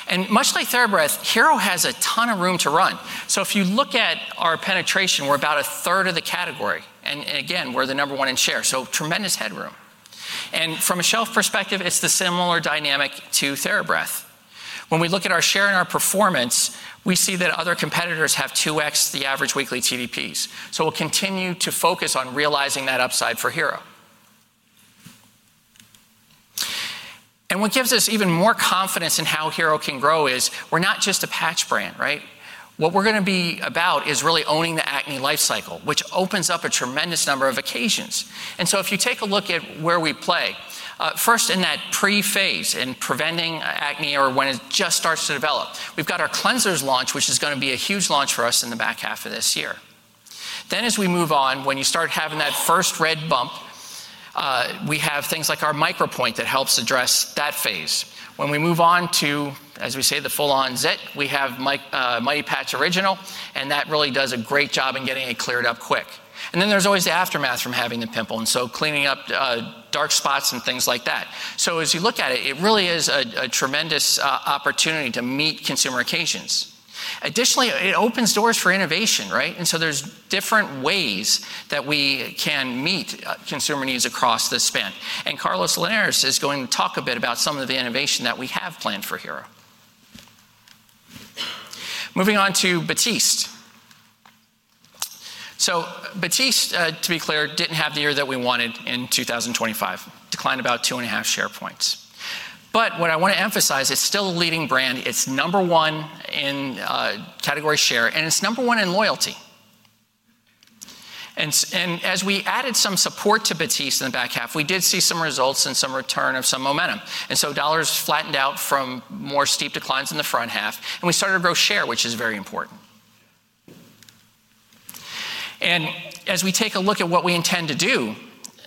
And much like TheraBreath, Hero has a ton of room to run. So if you look at our penetration, we're about a third of the category, and again, we're the number one in share. So tremendous headroom. And from a shelf perspective, it's the similar dynamic to TheraBreath. When we look at our share and our performance, we see that other competitors have 2x the average weekly TDPs. We'll continue to focus on realizing that upside for Hero. What gives us even more confidence in how Hero can grow is we're not just a patch brand, right? What we're gonna be about is really owning the acne life cycle, which opens up a tremendous number of occasions. If you take a look at where we play, first in that pre-phase, in preventing acne or when it just starts to develop, we've got our cleansers launch, which is gonna be a huge launch for us in the back half of this year. As we move on, when you start having that first red bump, we have things like our Micropoint that helps address that phase. When we move on to, as we say, the full-on zit, we have Mighty Patch Original, and that really does a great job in getting it cleared up quick. And then there's always the aftermath from having the pimple, and so cleaning up dark spots and things like that. So as you look at it, it really is a tremendous opportunity to meet consumer occasions. Additionally, it opens doors for innovation, right? And so there's different ways that we can meet consumer needs across this span. And Carlos Linares is going to talk a bit about some of the innovation that we have planned for Hero. Moving on to Batiste. So Batiste, to be clear, didn't have the year that we wanted in 2025, declined about 2.5 share points. But what I want to emphasize, it's still a leading brand. It's number one in category share, and it's number one in loyalty. And as we added some support to Batiste in the back half, we did see some results and some return of some momentum, and so dollars flattened out from more steep declines in the front half, and we started to grow share, which is very important. And as we take a look at what we intend to do,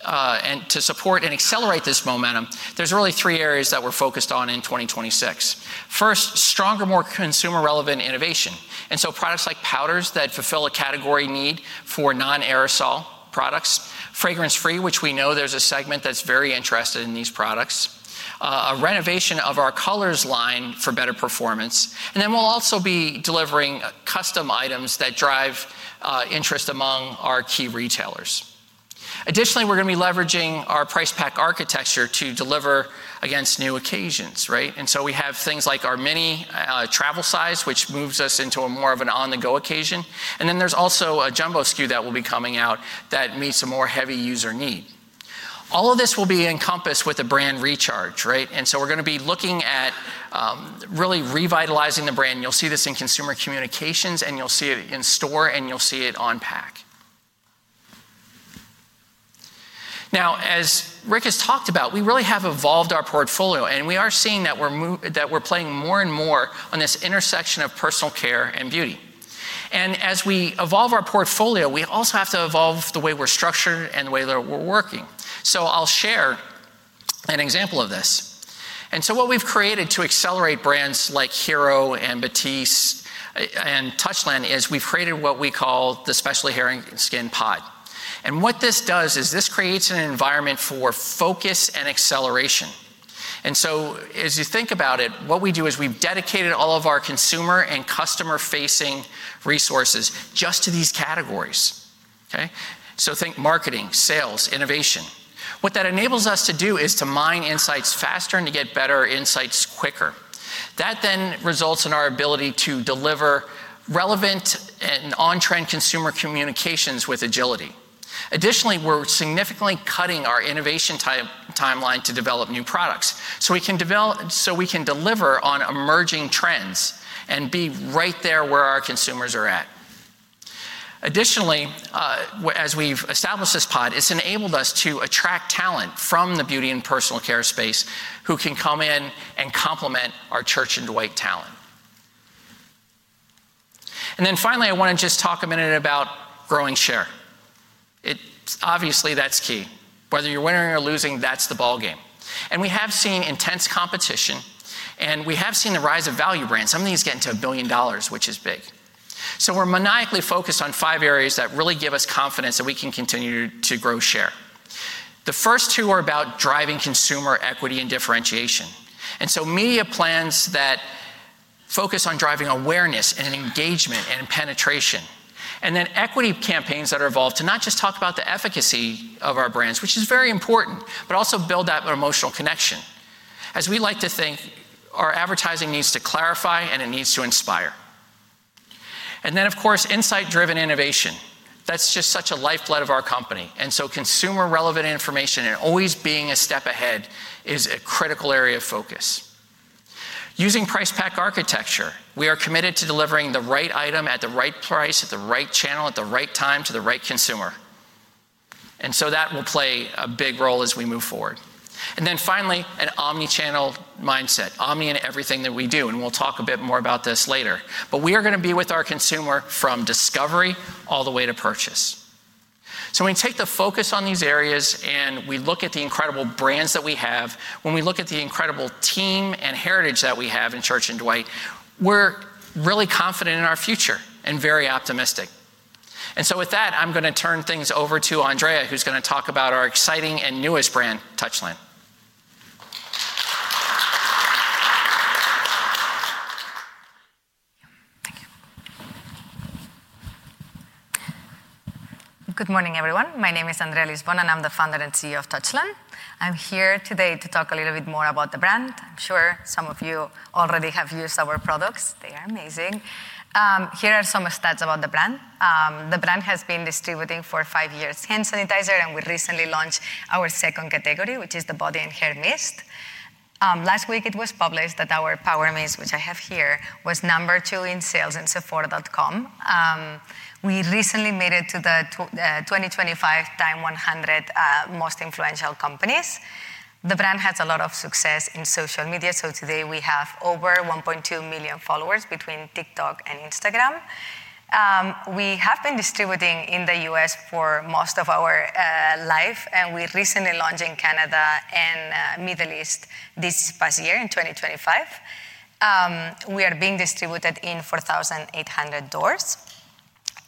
and to support and accelerate this momentum, there's really three areas that we're focused on in 2026. First, stronger, more consumer-relevant innovation, and so products like powders that fulfill a category need for non-aerosol products, fragrance-free, which we know there's a segment that's very interested in these products, a renovation of our colors line for better performance, and then we'll also be delivering custom items that drive interest among our key retailers. Additionally, we're gonna be leveraging our price pack architecture to deliver against new occasions, right? And so we have things like our mini travel size, which moves us into a more of an on-the-go occasion, and then there's also a jumbo SKU that will be coming out that meets a more heavy user need. All of this will be encompassed with a brand recharge, right? And so we're gonna be looking at really revitalizing the brand. You'll see this in consumer communications, and you'll see it in store, and you'll see it on pack. Now, as Rick has talked about, we really have evolved our portfolio, and we are seeing that we're that we're playing more and more on this intersection of personal care and beauty. As we evolve our portfolio, we also have to evolve the way we're structured and the way that we're working. I'll share an example of this. What we've created to accelerate brands like Hero and Batiste and Touchland is we've created what we call the Special Hair and Skin Pod. What this does is this creates an environment for focus and acceleration. As you think about it, what we do is we've dedicated all of our consumer and customer-facing resources just to these categories, okay? So think marketing, sales, innovation. What that enables us to do is to mine insights faster and to get better insights quicker. That then results in our ability to deliver relevant and on-trend consumer communications with agility. Additionally, we're significantly cutting our innovation time, timeline to develop new products, so we can deliver on emerging trends and be right there where our consumers are at. Additionally, as we've established this pod, it's enabled us to attract talent from the beauty and personal care space who can come in and complement our Church & Dwight talent. And then finally, I want to just talk a minute about growing share. It's obviously that's key. Whether you're winning or losing, that's the ballgame. And we have seen intense competition, and we have seen the rise of value brands. Some of these get into $1 billion, which is big. So we're maniacally focused on five areas that really give us confidence that we can continue to grow share. The first two are about driving consumer equity and differentiation, and so media plans that focus on driving awareness and engagement and penetration, and then equity campaigns that are evolved to not just talk about the efficacy of our brands, which is very important, but also build that emotional connection. As we like to think, our advertising needs to clarify, and it needs to inspire.... And then, of course, insight-driven innovation. That's just such a lifeblood of our company, and so consumer-relevant information and always being a step ahead is a critical area of focus. Using price pack architecture, we are committed to delivering the right item, at the right price, at the right channel, at the right time, to the right consumer, and so that will play a big role as we move forward. And then finally, an omni-channel mindset, omni in everything that we do, and we'll talk a bit more about this later. But we are gonna be with our consumer from discovery all the way to purchase. So when we take the focus on these areas, and we look at the incredible brands that we have, when we look at the incredible team and heritage that we have in Church & Dwight, we're really confident in our future and very optimistic. And so with that, I'm gonna turn things over to Andrea, who's gonna talk about our exciting and newest brand, Touchland. Thank you. Good morning, everyone. My name is Andrea Lisbona, and I'm the Founder and CEO of Touchland. I'm here today to talk a little bit more about the brand. I'm sure some of you already have used our products. They are amazing. Here are some stats about the brand. The brand has been distributing for five years hand sanitizer, and we recently launched our second category, which is the body and hair mist. Last week, it was published that our Power Mist, which I have here, was number two in sales in Sephora.com. We recently made it to the 2025 TIME100 Most Influential Companies. The brand has a lot of success in social media, so today we have over 1.2 million followers between TikTok and Instagram. We have been distributing in the U.S. for most of our life, and we recently launched in Canada and Middle East this past year, in 2025. We are being distributed in 4,800 doors,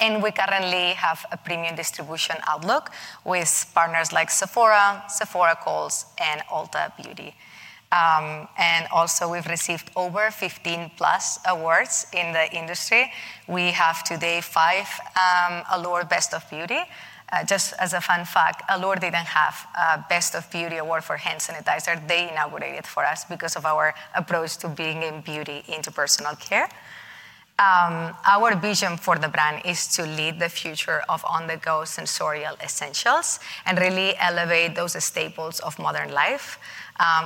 and we currently have a premium distribution outlook with partners like Sephora, Sephora Kohls, and Ulta Beauty. And also, we've received over 15+ awards in the industry. We have, to date, five Allure Best of Beauty. Just as a fun fact, Allure didn't have a Best of Beauty award for hand sanitizer. They inaugurated it for us because of our approach to bringing beauty into personal care. Our vision for the brand is to lead the future of on-the-go sensorial essentials and really elevate those staples of modern life.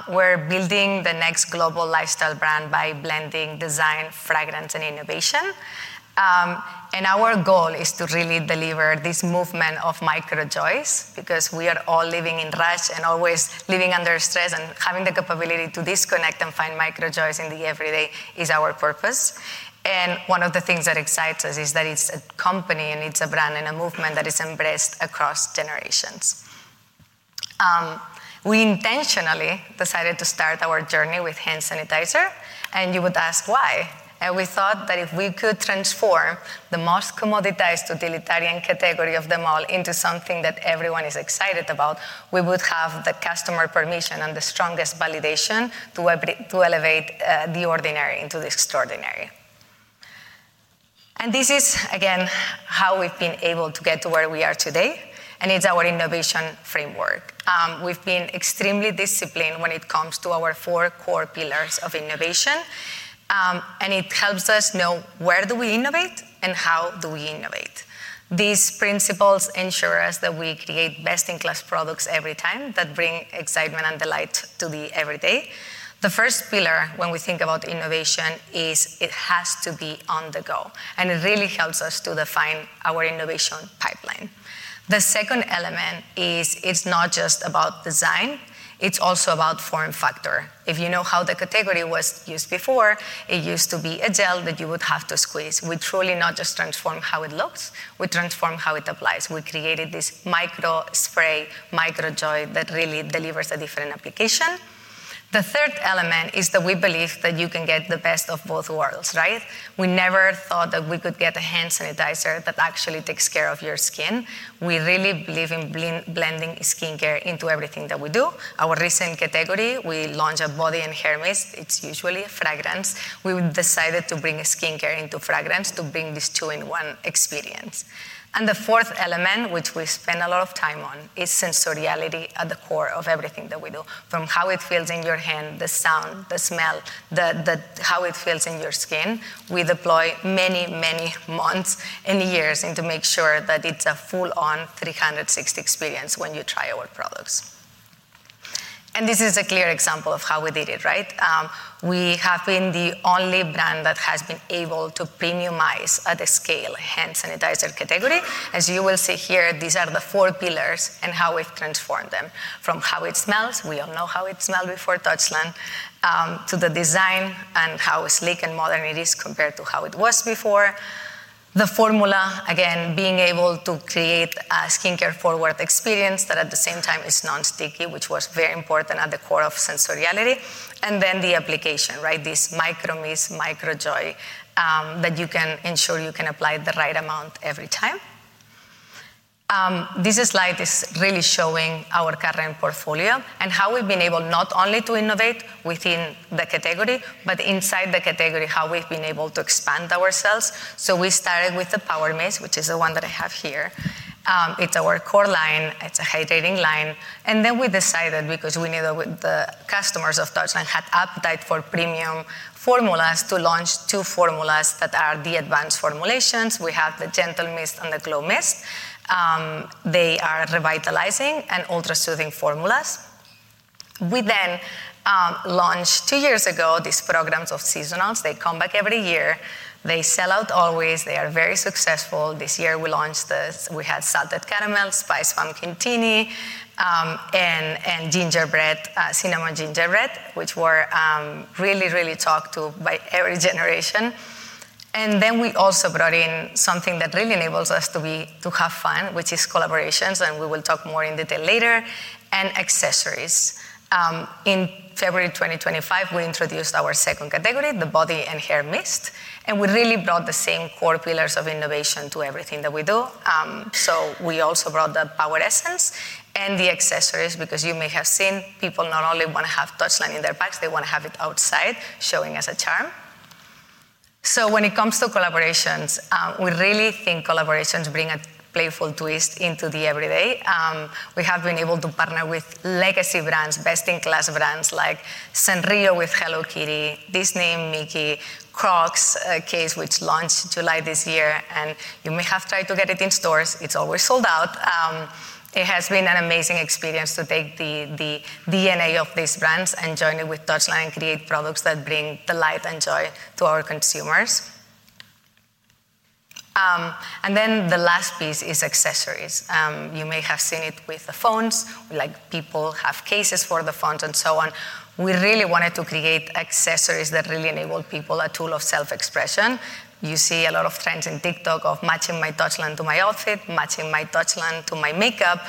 We're building the next global lifestyle brand by blending design, fragrance, and innovation. and our goal is to really deliver this movement of micro joys because we are all living in rush and always living under stress, and having the capability to disconnect and find micro joys in the everyday is our purpose. And one of the things that excites us is that it's a company, and it's a brand, and a movement that is embraced across generations. We intentionally decided to start our journey with hand sanitizer, and you would ask, "Why?" And we thought that if we could transform the most commoditized utilitarian category of them all into something that everyone is excited about, we would have the customer permission and the strongest validation to elevate the ordinary into the extraordinary. And this is, again, how we've been able to get to where we are today, and it's our innovation framework. We've been extremely disciplined when it comes to our four core pillars of innovation, and it helps us know where do we innovate and how do we innovate. These principles ensure us that we create best-in-class products every time that bring excitement and delight to the everyday. The first pillar when we think about innovation is it has to be on the go, and it really helps us to define our innovation pipeline. The second element is it's not just about design. It's also about form factor. If you know how the category was used before, it used to be a gel that you would have to squeeze. We truly not just transformed how it looks, we transformed how it applies. We created this micro spray, micro joy that really delivers a different application. The third element is that we believe that you can get the best of both worlds, right? We never thought that we could get a hand sanitizer that actually takes care of your skin. We really believe in blending skincare into everything that we do. Our recent category, we launched a body and hair mist. It's usually a fragrance. We decided to bring skincare into fragrance to bring this two-in-one experience. And the fourth element, which we spend a lot of time on, is sensoriality at the core of everything that we do, from how it feels in your hand, the sound, the smell, how it feels in your skin. We deploy many, many months and years, and to make sure that it's a full-on 360 experience when you try our products. And this is a clear example of how we did it, right? We have been the only brand that has been able to premiumize at a scale hand sanitizer category. As you will see here, these are the four pillars and how we've transformed them, from how it smells, we all know how it smelled before Touchland, to the design and how sleek and modern it is compared to how it was before. The formula, again, being able to create a skincare-forward experience that, at the same time, is non-sticky, which was very important at the core of sensoriality, and then the application, right? This micro mist, micro joy, that you can ensure you can apply the right amount every time. This slide is really showing our current portfolio, and how we've been able not only to innovate within the category, but inside the category, how we've been able to expand ourselves. So we started with the Power Mist, which is the one that I have here. It's our core line. It's a hydrating line, and then we decided, because we knew that the customers of Touchland had appetite for premium formulas, to launch two formulas that are the advanced formulations. We have the Gentle Mist and the Glow Mist. They are revitalizing and ultra-soothing formulas. We then launched, two years ago, these programs of seasonals. They come back every year. They sell out always. They are very successful. This year, we launched this. We had Salted Caramel, Spiced Pumpkin-Tini, and Gingerbread, Cinnamon Gingerbread, which were really, really talked to by every generation. And then we also brought in something that really enables us to have fun, which is collaborations, and we will talk more in detail later, and accessories. In February 2025, we introduced our second category, the body and hair mist, and we really brought the same core pillars of innovation to everything that we do. So we also brought the Power Essence and the accessories, because you may have seen people not only wanna have Touchland in their bags, they wanna have it outside, showing as a charm. So when it comes to collaborations, we really think collaborations bring a playful twist into the everyday. We have been able to partner with legacy brands, best-in-class brands, like Sanrio with Hello Kitty, Disney with Mickey, Crocs, a case which launched July this year, and you may have tried to get it in stores. It's always sold out. It has been an amazing experience to take the DNA of these brands and join it with Touchland, and create products that bring the light and joy to our consumers. And then the last piece is accessories. You may have seen it with the phones, like, people have cases for the phones, and so on. We really wanted to create accessories that really enable people a tool of self-expression. You see a lot of trends in TikTok of matching my Touchland to my outfit, matching my Touchland to my makeup.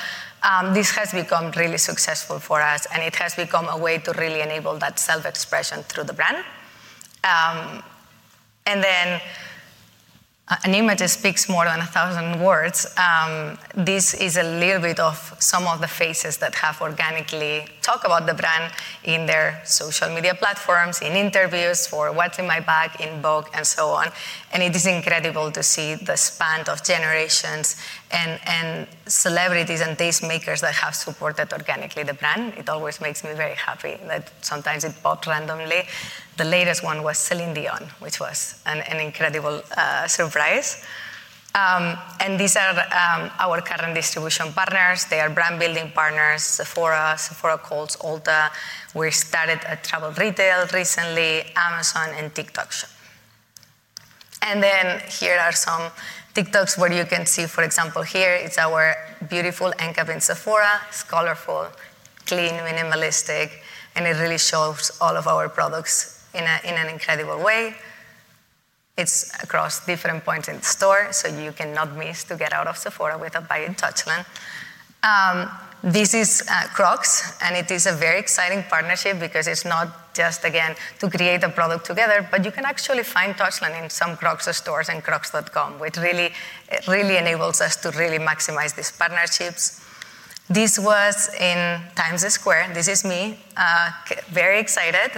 This has become really successful for us, and it has become a way to really enable that self-expression through the brand. And then an image speaks more than a thousand words. This is a little bit of some of the faces that have organically talked about the brand in their social media platforms, in interviews, or "What's in My Bag" in Vogue, and so on. It is incredible to see the span of generations and celebrities and tastemakers that have supported organically the brand. It always makes me very happy that sometimes it pop randomly. The latest one was Celine Dion, which was an incredible surprise. And these are our current distribution partners. They are brand-building partners: Sephora, Sephora Kohls, Ulta. We started at travel retail recently, Amazon, and TikTok Shop. Then, here are some TikToks where you can see, for example, here is our beautiful end cap in Sephora. It's colorful, clean, minimalistic, and it really shows all of our products in an incredible way. It's across different points in the store, so you cannot miss to get out of Sephora without buying Touchland. This is Crocs, and it is a very exciting partnership because it's not just, again, to create a product together, but you can actually find Touchland in some Crocs stores and crocs.com, which really, it really enables us to really maximize these partnerships. This was in Times Square. This is me, very excited,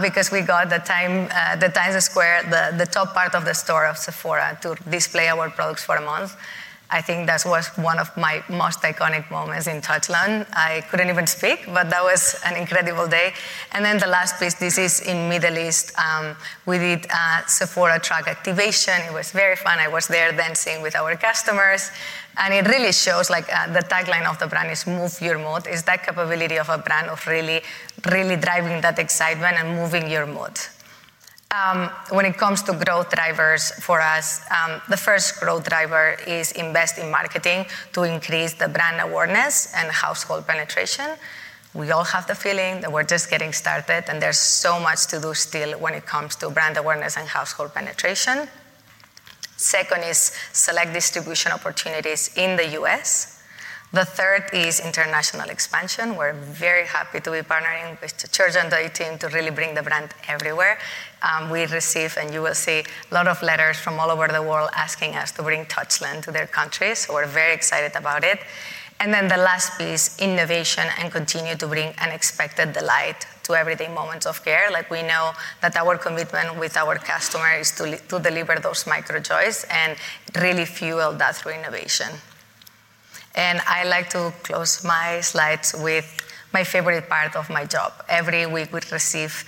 because we got the Times Square, the top part of the store of Sephora to display our products for a month. I think that was one of my most iconic moments in Touchland. I couldn't even speak, but that was an incredible day. And then the last piece, this is in Middle East. We did a Sephora truck activation. It was very fun. I was there dancing with our customers, and it really shows, like, the tagline of the brand is: Move your mood. It's that capability of a brand of really, really driving that excitement and moving your mood. When it comes to growth drivers for us, the first growth driver is invest in marketing to increase the brand awareness and household penetration. We all have the feeling that we're just getting started, and there's so much to do still when it comes to brand awareness and household penetration. Second is select distribution opportunities in the U.S. The third is international expansion. We're very happy to be partnering with Church & Dwight team to really bring the brand everywhere. We receive, and you will see, a lot of letters from all over the world asking us to bring Touchland to their countries, so we're very excited about it. And then the last piece, innovation, and continue to bring unexpected delight to everyday moments of care. Like, we know that our commitment with our customers is to to deliver those micro joys and really fuel that through innovation. And I like to close my slides with my favorite part of my job. Every week, we receive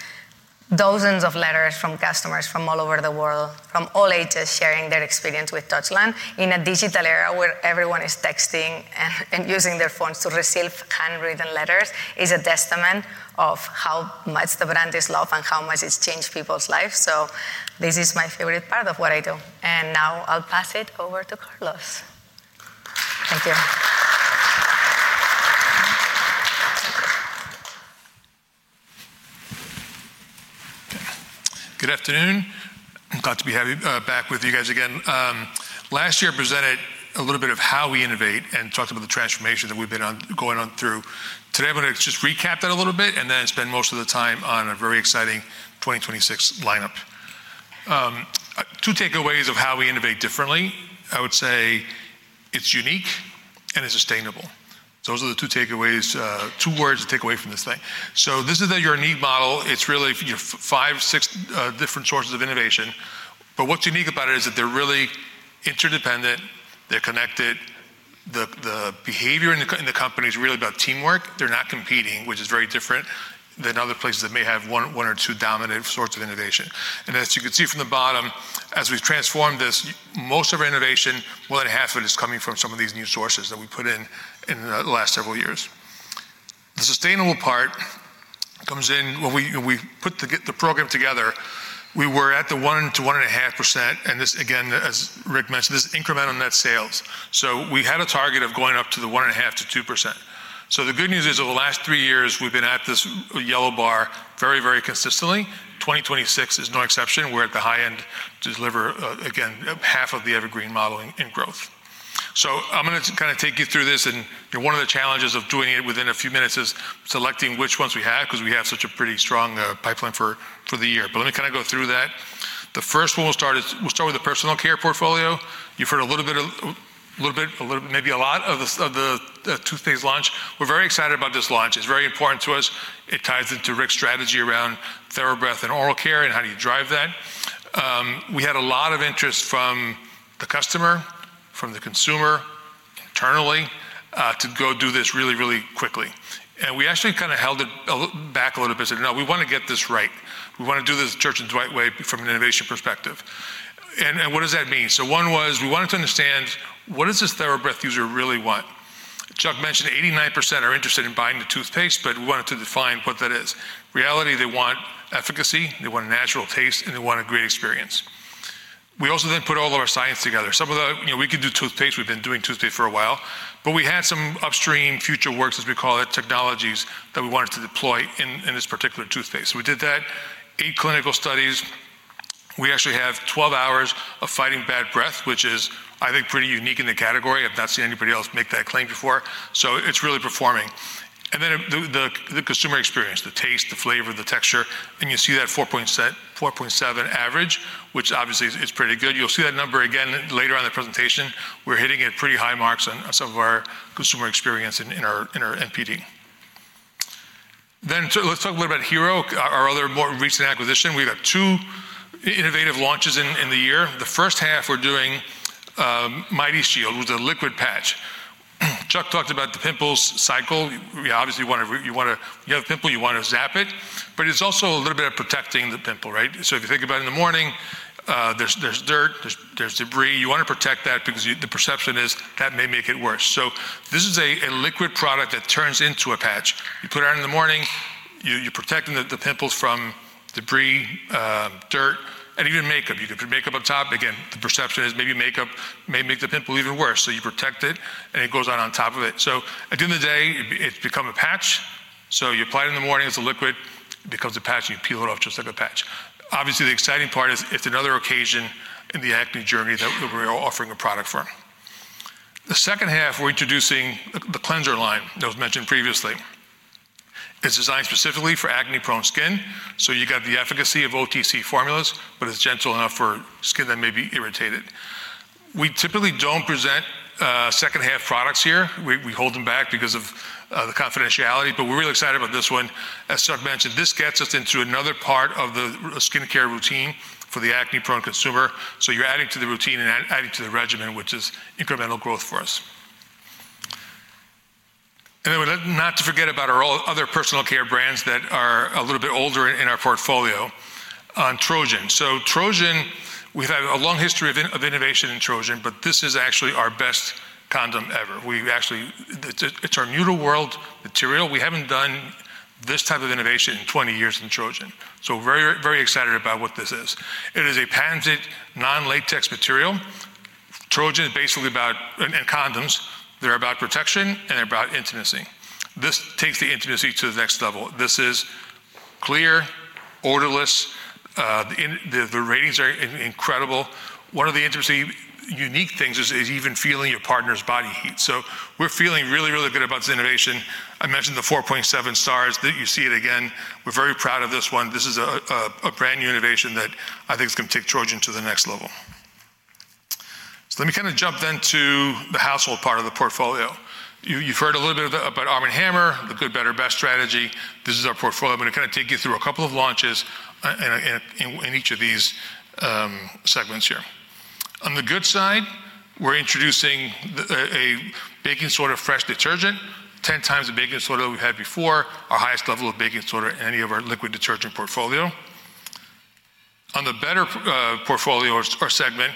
dozens of letters from customers from all over the world, from all ages, sharing their experience with Touchland. In a digital era, where everyone is texting and using their phones, to receive handwritten letters is a testament of how much the brand is loved and how much it's changed people's lives, so this is my favorite part of what I do. And now I'll pass it over to Carlos. Thank you. Good afternoon. I'm glad to be having- back with you guys again. Last year, I presented a little bit of how we innovate and talked about the transformation that we've been on- going on through. Today, I'm gonna just recap that a little bit, and then spend most of the time on a very exciting 2026 lineup. Two takeaways of how we innovate differently, I would say it's unique and it's sustainable. Those are the two takeaways, two words to take away from this thing. So this is the unique model. It's really your five, six, different sources of innovation. But what's unique about it is that they're really interdependent, they're connected, the, the behavior in the, in the company is really about teamwork. They're not competing, which is very different than other places that may have one, one or two dominant sorts of innovation. As you can see from the bottom, as we've transformed this, most of our innovation, more than half of it, is coming from some of these new sources that we put in, in the last several years. The sustainable part comes in when we put the program together, we were at the 1%-1.5%, and this, again, as Rick mentioned, this is incremental net sales. So we had a target of going up to the 1.5%-2%. So the good news is, over the last three years, we've been at this yellow bar very, very consistently. 2026 is no exception. We're at the high end to deliver, again, half of the evergreen modeling in growth. So I'm gonna kind of take you through this, and one of the challenges of doing it within a few minutes is selecting which ones we have, because we have such a pretty strong pipeline for the year. But let me kind of go through that. The first one we'll start with the personal care portfolio. You've heard a little bit, maybe a lot of the toothpaste launch. We're very excited about this launch. It's very important to us. It ties into Rick's strategy around TheraBreath oral care, and how do you drive that? We had a lot of interest from the customer, from the consumer, internally, to go do this really, really quickly. And we actually kind of held it a little, back a little bit and said, "No, we want to get this right. We want to do this the Church & Dwight way from an innovation perspective." And, and what does that mean? So one was, we wanted to understand, what does this TheraBreath user really want? Chuck mentioned 89% are interested in buying the toothpaste, but we wanted to define what that is. Reality, they want efficacy, they want a natural taste, and they want a great experience. We also then put all of our science together. Some of the, you know, we could do toothpaste, we've been doing toothpaste for a while, but we had some upstream future works, as we call it, technologies that we wanted to deploy in, in this particular toothpaste. So we did that, eight clinical studies. We actually have 12 hours of fighting bad breath, which is, I think, pretty unique in the category. I've not seen anybody else make that claim before, so it's really performing. And then the consumer experience, the taste, the flavor, the texture, and you see that 4.7 average, which obviously is pretty good. You'll see that number again later on in the presentation. We're hitting at pretty high marks on some of our consumer experience in our NPD. Then let's talk a little about Hero, our other more recent acquisition. We've had two innovative launches in the year. The first half, we're doing Mighty Shield, which is a liquid patch. Chuck talked about the pimples cycle. You obviously wanna you have a pimple, you wanna zap it, but it's also a little bit of protecting the pimple, right? So if you think about it, in the morning, there's dirt, there's debris. You want to protect that because the perception is that may make it worse. So this is a liquid product that turns into a patch. You put it on in the morning, you're protecting the pimples from debris, dirt, and even makeup. You can put makeup on top. Again, the perception is maybe makeup may make the pimple even worse. So you protect it, and it goes on top of it. So at the end of the day, it's become a patch. So you apply it in the morning, it's a liquid, becomes a patch, and you peel it off just like a patch. Obviously, the exciting part is it's another occasion in the acne journey that we're offering a product for. The second half, we're introducing the cleanser line that was mentioned previously. It's designed specifically for acne-prone skin, so you got the efficacy of OTC formulas, but it's gentle enough for skin that may be irritated. We typically don't present second half products here. We hold them back because of the confidentiality, but we're really excited about this one. As Chuck mentioned, this gets us into another part of the skincare routine for the acne-prone consumer. So you're adding to the routine and adding to the regimen, which is incremental growth for us. And then not to forget about our other personal care brands that are a little bit older in our portfolio, Trojan. So Trojan, we've had a long history of innovation in Trojan, but this is actually our best condom ever. We've actually—it's our new to world material. We haven't done this type of innovation in 20 years in Trojan, so very, very excited about what this is. It is a patented non-latex material. Trojan is basically about... and condoms, they're about protection, and they're about intimacy. This takes the intimacy to the next level. This is clear, odorless, the ratings are incredible. One of the interesting, unique things is even feeling your partner's body heat. So we're feeling really, really good about this innovation. I mentioned the 4.7 stars, that you see it again. We're very proud of this one. This is a brand-new innovation that I think is going to take Trojan to the next level. So let me kind of jump then to the household part of the portfolio. You've heard a little bit about Arm & Hammer, the Good, Better, Best strategy. This is our portfolio. I'm gonna kind of take you through a couple of launches in each of these segments here. On the good side, we're introducing a Baking Soda Fresh detergent, 10x the baking soda we had before, our highest level of baking soda in any of our liquid detergent portfolio. On the better portfolio or segment,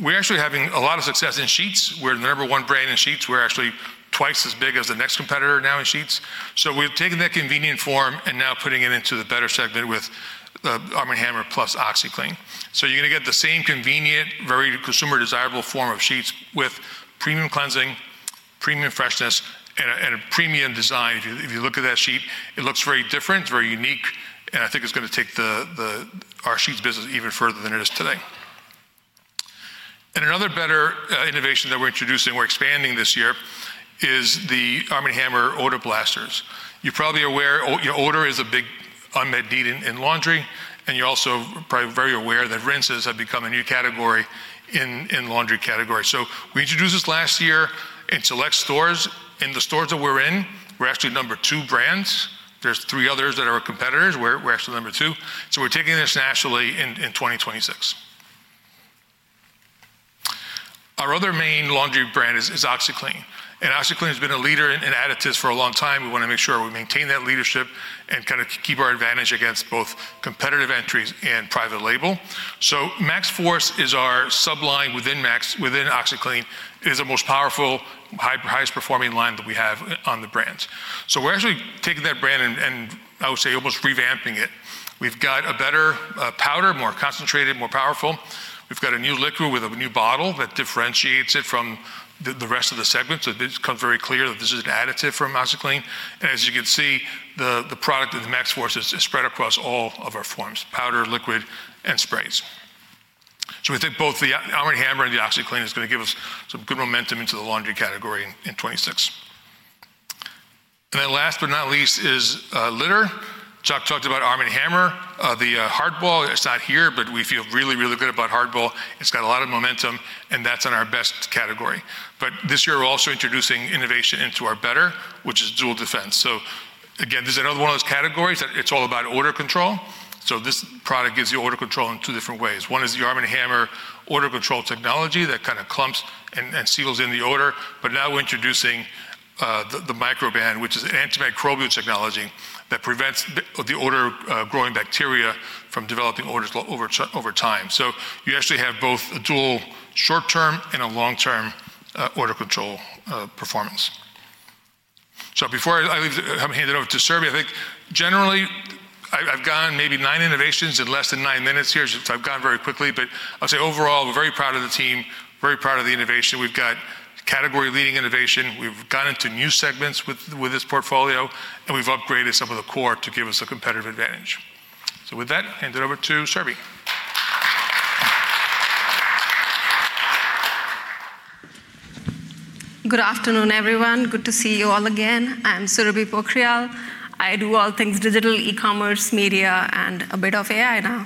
we're actually having a lot of success in sheets. We're the number one brand in sheets. We're actually twice as big as the next competitor now in sheets. So we've taken that convenient form and now putting it into the better segment with the Arm & Hammer Plus OxiClean. So you're gonna get the same convenient, very consumer desirable form of sheets with premium cleansing, premium freshness, and a premium design. If you look at that sheet, it looks very different, very unique, and I think it's gonna take our sheets business even further than it is today. Another better innovation that we're introducing, we're expanding this year, is the Arm & Hammer Odor Blasters. You're probably aware you know, odor is a big unmet need in laundry, and you're also probably very aware that rinses have become a new category in laundry category. So we introduced this last year in select stores. In the stores that we're in, we're actually number two brands. There's three others that are our competitors, we're actually number two, so we're taking this nationally in 2026. Our other main laundry brand is OxiClean, and OxiClean has been a leader in additives for a long time. We wanna make sure we maintain that leadership and kind of keep our advantage against both competitive entries and private label. So Max Force is our sub-line within Max, within OxiClean. It is the most powerful, highest performing line that we have on the brands. So we're actually taking that brand and I would say almost revamping it. We've got a better powder, more concentrated, more powerful. We've got a new liquid with a new bottle that differentiates it from the rest of the segment, so this becomes very clear that this is an additive from OxiClean. And as you can see, the product of the Max Force is spread across all of our forms, powder, liquid, and sprays. So we think both the Arm & Hammer and the OxiClean is gonna give us some good momentum into the laundry category in 2026. And then last but not least is litter. Chuck talked about Arm & Hammer. The Hardball, it's not here, but we feel really, really good about Hardball. It's got a lot of momentum, and that's in our Best category. But this year, we're also introducing innovation into our Better, which is Dual Defense. So again, this is another one of those categories that it's all about odor control. So this product gives you odor control in two different ways. One is the Arm & Hammer odor control technology that kind of clumps and seals in the odor, but now we're introducing the Microban, which is an antimicrobial technology that prevents the odor growing bacteria from developing odors over time. So you actually have both a dual short-term and a long-term odor control performance. So before I leave, hand it over to Surabhi. I think generally, I've gone maybe nine innovations in less than nine minutes here, so I've gone very quickly. But I'll say overall, we're very proud of the team, very proud of the innovation. We've got category-leading innovation. We've gone into new segments with this portfolio, and we've upgraded some of the core to give us a competitive advantage. So with that, hand it over to Surabhi. Good afternoon, everyone. Good to see you all again. I'm Surabhi Pokhriyal. I do all things digital, e-commerce, media, and a bit of AI now.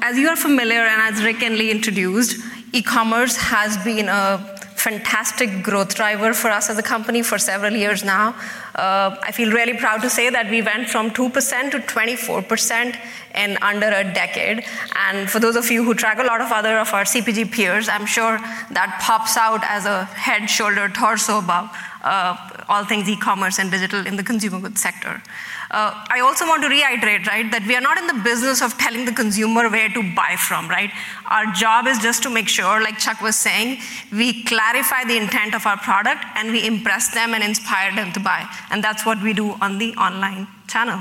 As you are familiar, and as Rick and Lee introduced, e-commerce has been a fantastic growth driver for us as a company for several years now. I feel really proud to say that we went from 2% to 24% in under a decade. For those of you who track a lot of other of our CPG peers, I'm sure that pops out as a head, shoulder, torso above all things e-commerce and digital in the consumer goods sector. I also want to reiterate, right, that we are not in the business of telling the consumer where to buy from, right? Our job is just to make sure, like Chuck was saying, we clarify the intent of our product, and we impress them and inspire them to buy, and that's what we do on the online channel.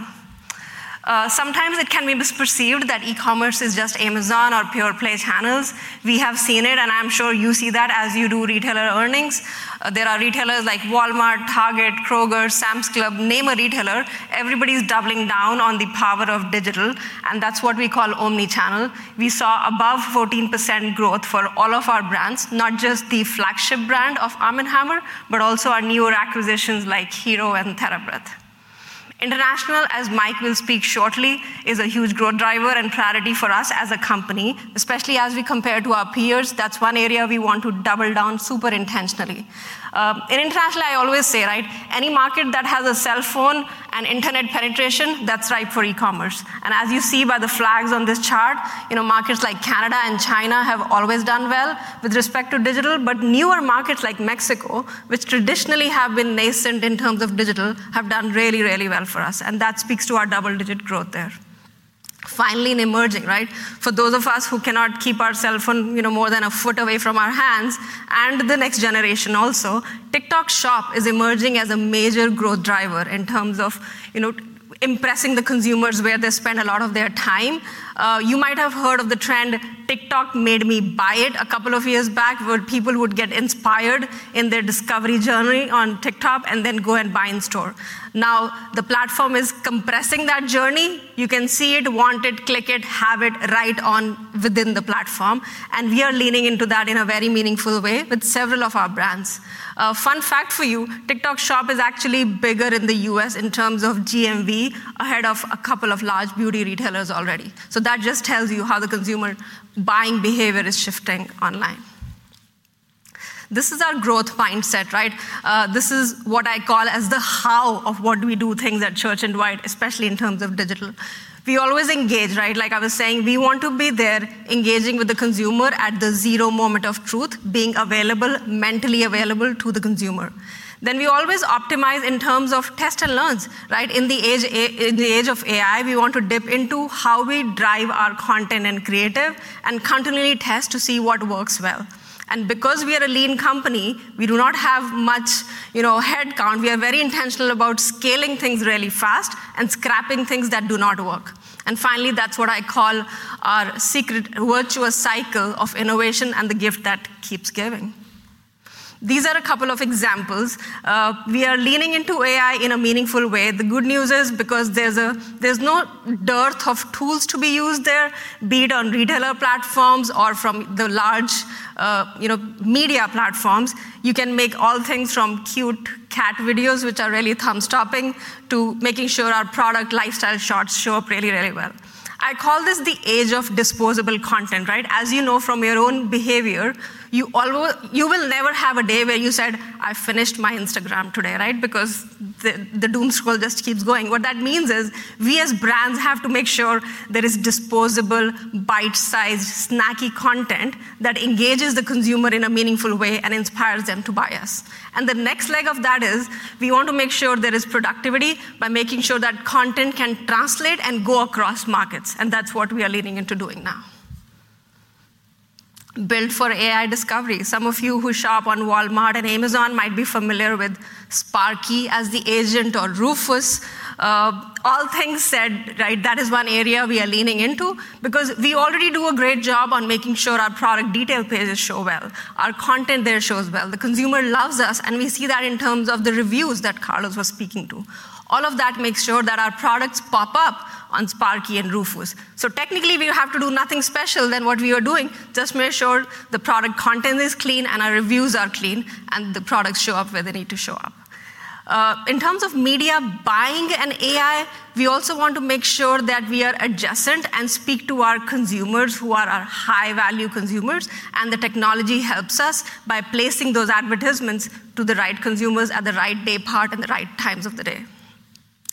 Sometimes it can be misperceived that e-commerce is just Amazon or pure-play channels. We have seen it, and I'm sure you see that as you do retailer earnings. There are retailers like Walmart, Target, Kroger, Sam's Club, name a retailer, everybody's doubling down on the power of digital, and that's what we call omni-channel. We saw above 14% growth for all of our brands, not just the flagship brand of Arm & Hammer, but also our newer acquisitions like Hero and TheraBreath. International, as Mike will speak shortly, is a huge growth driver and priority for us as a company, especially as we compare to our peers. That's one area we want to double down super intentionally. In international, I always say, right, any market that has a cell phone and internet penetration, that's right for e-commerce. And as you see by the flags on this chart, you know, markets like Canada and China have always done well with respect to digital, but newer markets like Mexico, which traditionally have been nascent in terms of digital, have done really, really well for us, and that speaks to our double-digit growth there. Finally, in emerging, right? For those of us who cannot keep our cell phone, you know, more than a foot away from our hands, and the next generation also, TikTok Shop is emerging as a major growth driver in terms of, you know, impressing the consumers where they spend a lot of their time. You might have heard of the trend, TikTok made me buy it a couple of years back, where people would get inspired in their discovery journey on TikTok and then go and buy in store. Now, the platform is compressing that journey. You can see it, want it, click it, have it, right on within the platform, and we are leaning into that in a very meaningful way with several of our brands. Fun fact for you, TikTok Shop is actually bigger in the U.S. in terms of GMV, ahead of a couple of large beauty retailers already. So that just tells you how the consumer buying behavior is shifting online. This is our growth mindset, right? This is what I call as the how of what we do things at Church & Dwight, especially in terms of digital. We always engage, right? Like I was saying, we want to be there engaging with the consumer at the zero moment of truth, being available, mentally available to the consumer. Then we always optimize in terms of test and learns, right? In the age of AI, we want to dip into how we drive our content and creative and continually test to see what works well. And because we are a lean company, we do not have much, you know, headcount. We are very intentional about scaling things really fast and scrapping things that do not work. And finally, that's what I call our secret virtuous cycle of innovation and the gift that keeps giving.... These are a couple of examples. We are leaning into AI in a meaningful way. The good news is, because there's a, there's no dearth of tools to be used there, be it on retailer platforms or from the large, you know, media platforms, you can make all things from cute cat videos, which are really thumb-stopping, to making sure our product lifestyle shots show up really, really well. I call this the age of disposable content, right? As you know from your own behavior, you will never have a day where you said, "I finished my Instagram today," right? Because the doom scroll just keeps going. What that means is we as brands have to make sure there is disposable, bite-sized, snacky content that engages the consumer in a meaningful way and inspires them to buy us. The next leg of that is we want to make sure there is productivity by making sure that content can translate and go across markets, and that's what we are leaning into doing now. Build for AI discovery. Some of you who shop on Walmart and Amazon might be familiar with Sparky as the agent or Rufus. All things said, right, that is one area we are leaning into because we already do a great job on making sure our product detail pages show well, our content there shows well. The consumer loves us, and we see that in terms of the reviews that Carlos was speaking to. All of that makes sure that our products pop up on Sparky and Rufus. So technically, we have to do nothing special than what we are doing, just make sure the product content is clean and our reviews are clean, and the products show up where they need to show up. In terms of media buying and AI, we also want to make sure that we are adjacent and speak to our consumers who are our high-value consumers, and the technology helps us by placing those advertisements to the right consumers at the right day part and the right times of the day.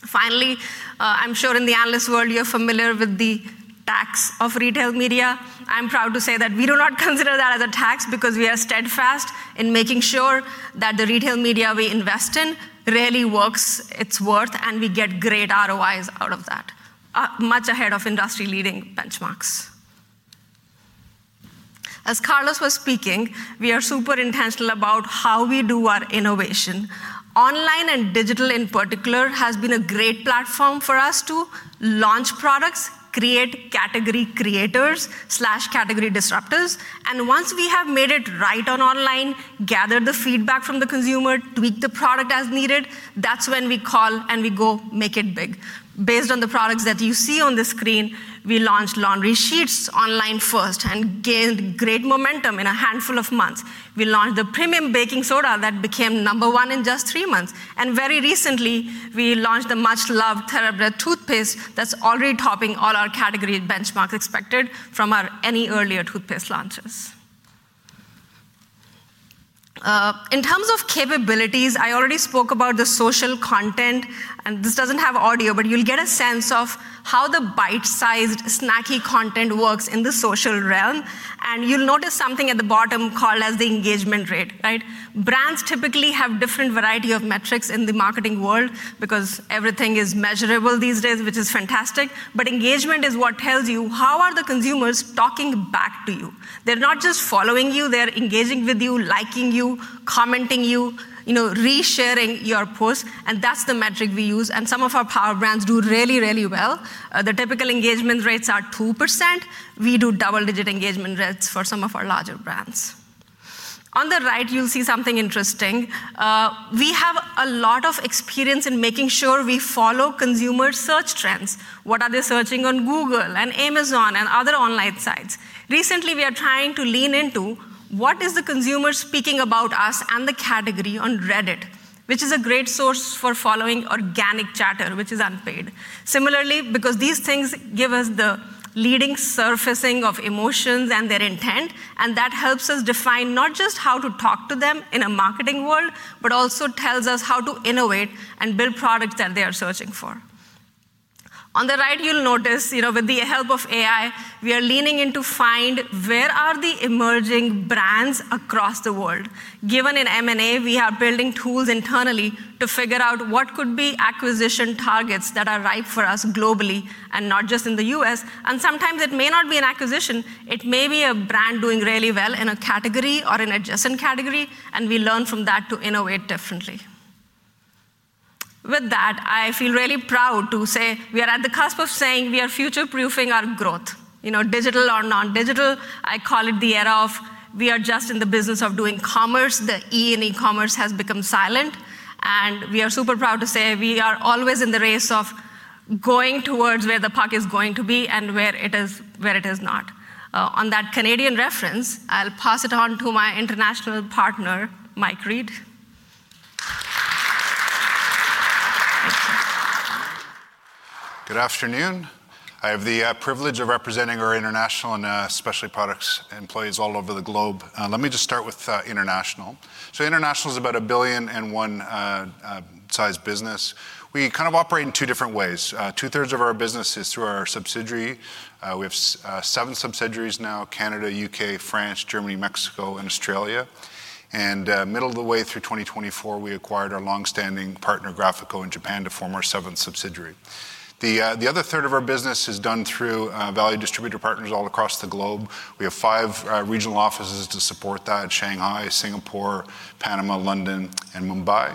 Finally, I'm sure in the analyst world, you're familiar with the tech of retail media. I'm proud to say that we do not consider that as a tax because we are steadfast in making sure that the retail media we invest in really works its worth, and we get great ROIs out of that, much ahead of industry-leading benchmarks. As Carlos was speaking, we are super intentional about how we do our innovation. Online and digital in particular has been a great platform for us to launch products, create category creators/category disruptors, and once we have made it right on online, gather the feedback from the consumer, tweak the product as needed, that's when we call and we go make it big. Based on the products that you see on the screen, we launched laundry sheets online first and gained great momentum in a handful of months. We launched a premium baking soda that became number one in just three months, and very recently, we launched the much-loved TheraBreath toothpaste that's already topping all our category benchmarks expected from any of our earlier toothpaste launches. In terms of capabilities, I already spoke about the social content, and this doesn't have audio, but you'll get a sense of how the bite-sized, snacky content works in the social realm, and you'll notice something at the bottom called the engagement rate, right? Brands typically have different variety of metrics in the marketing world because everything is measurable these days, which is fantastic, but engagement is what tells you, how are the consumers talking back to you? They're not just following you, they're engaging with you, liking you, commenting you, you know, re-sharing your post, and that's the metric we use. Some of our power brands do really, really well. The typical engagement rates are 2%. We do double-digit engagement rates for some of our larger brands. On the right, you'll see something interesting. We have a lot of experience in making sure we follow consumer search trends. What are they searching on Google and Amazon and other online sites? Recently, we are trying to lean into what is the consumer speaking about us and the category on Reddit, which is a great source for following organic chatter, which is unpaid. Similarly, because these things give us the leading surfacing of emotions and their intent, and that helps us define not just how to talk to them in a marketing world, but also tells us how to innovate and build products that they are searching for. On the right, you'll notice, you know, with the help of AI, we are leaning in to find where are the emerging brands across the world. Given in M&A, we are building tools internally to figure out what could be acquisition targets that are right for us globally and not just in the U.S. Sometimes it may not be an acquisition, it may be a brand doing really well in a category or an adjacent category, and we learn from that to innovate differently. With that, I feel really proud to say we are at the cusp of saying we are future-proofing our growth. You know, digital or non-digital, I call it the era of we are just in the business of doing commerce. The E in e-commerce has become silent, and we are super proud to say we are always in the race of going towards where the puck is going to be and where it is, where it is not. On that Canadian reference, I'll pass it on to my international partner, Mike Read. Good afternoon. I have the privilege of representing our international and specialty products employees all over the globe. Let me just start with international. So international is about $1.01 billion size business. We kind of operate in two different ways. Two-thirds of our business is through our subsidiary. We have seven subsidiaries now: Canada, U.K., France, Germany, Mexico, and Australia. And middle of the way through 2024, we acquired our long-standing partner, Graphico, in Japan, to form our seventh subsidiary. The other 1/3 of our business is done through value distributor partners all across the globe. We have five regional offices to support that: Shanghai, Singapore, Panama, London, and Mumbai.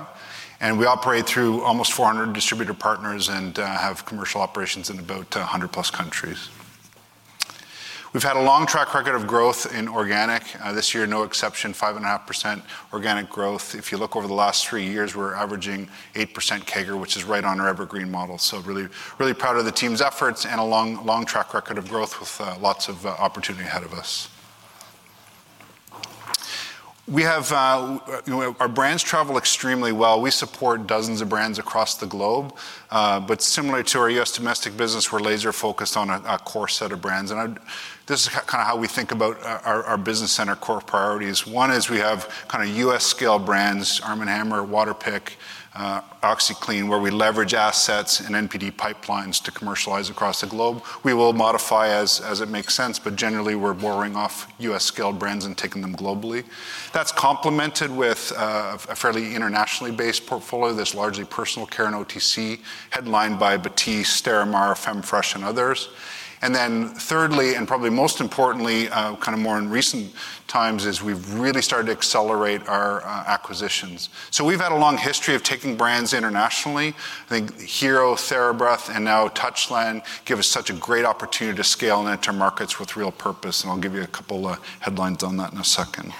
And we operate through almost 400 distributor partners and have commercial operations in about 100 plus countries. We've had a long track record of growth in organic. This year, no exception, 5.5% organic growth. If you look over the last three years, we're averaging 8% CAGR, which is right on our Evergreen Model. So really, really proud of the team's efforts and a long, long track record of growth with lots of opportunity ahead of us. We have, you know, our brands travel extremely well. We support dozens of brands across the globe, but similar to our U.S. domestic business, we're laser focused on a core set of brands. And this is kind of how we think about our business's core priorities. One is we have kind of U.S.-scale brands, Arm & Hammer, Waterpik, OxiClean, where we leverage assets and NPD pipelines to commercialize across the globe. We will modify as, as it makes sense, but generally, we're borrowing off U.S.-scale brands and taking them globally. That's complemented with a fairly internationally based portfolio that's largely personal care and OTC, headlined by Batiste, Stérimar, Femfresh, and others. And then thirdly, and probably most importantly, kind of more in recent times, is we've really started to accelerate our acquisitions. So we've had a long history of taking brands internationally. I think Hero, TheraBreath, and now Touchland give us such a great opportunity to scale and enter markets with real purpose, and I'll give you a couple of headlines on that in a second.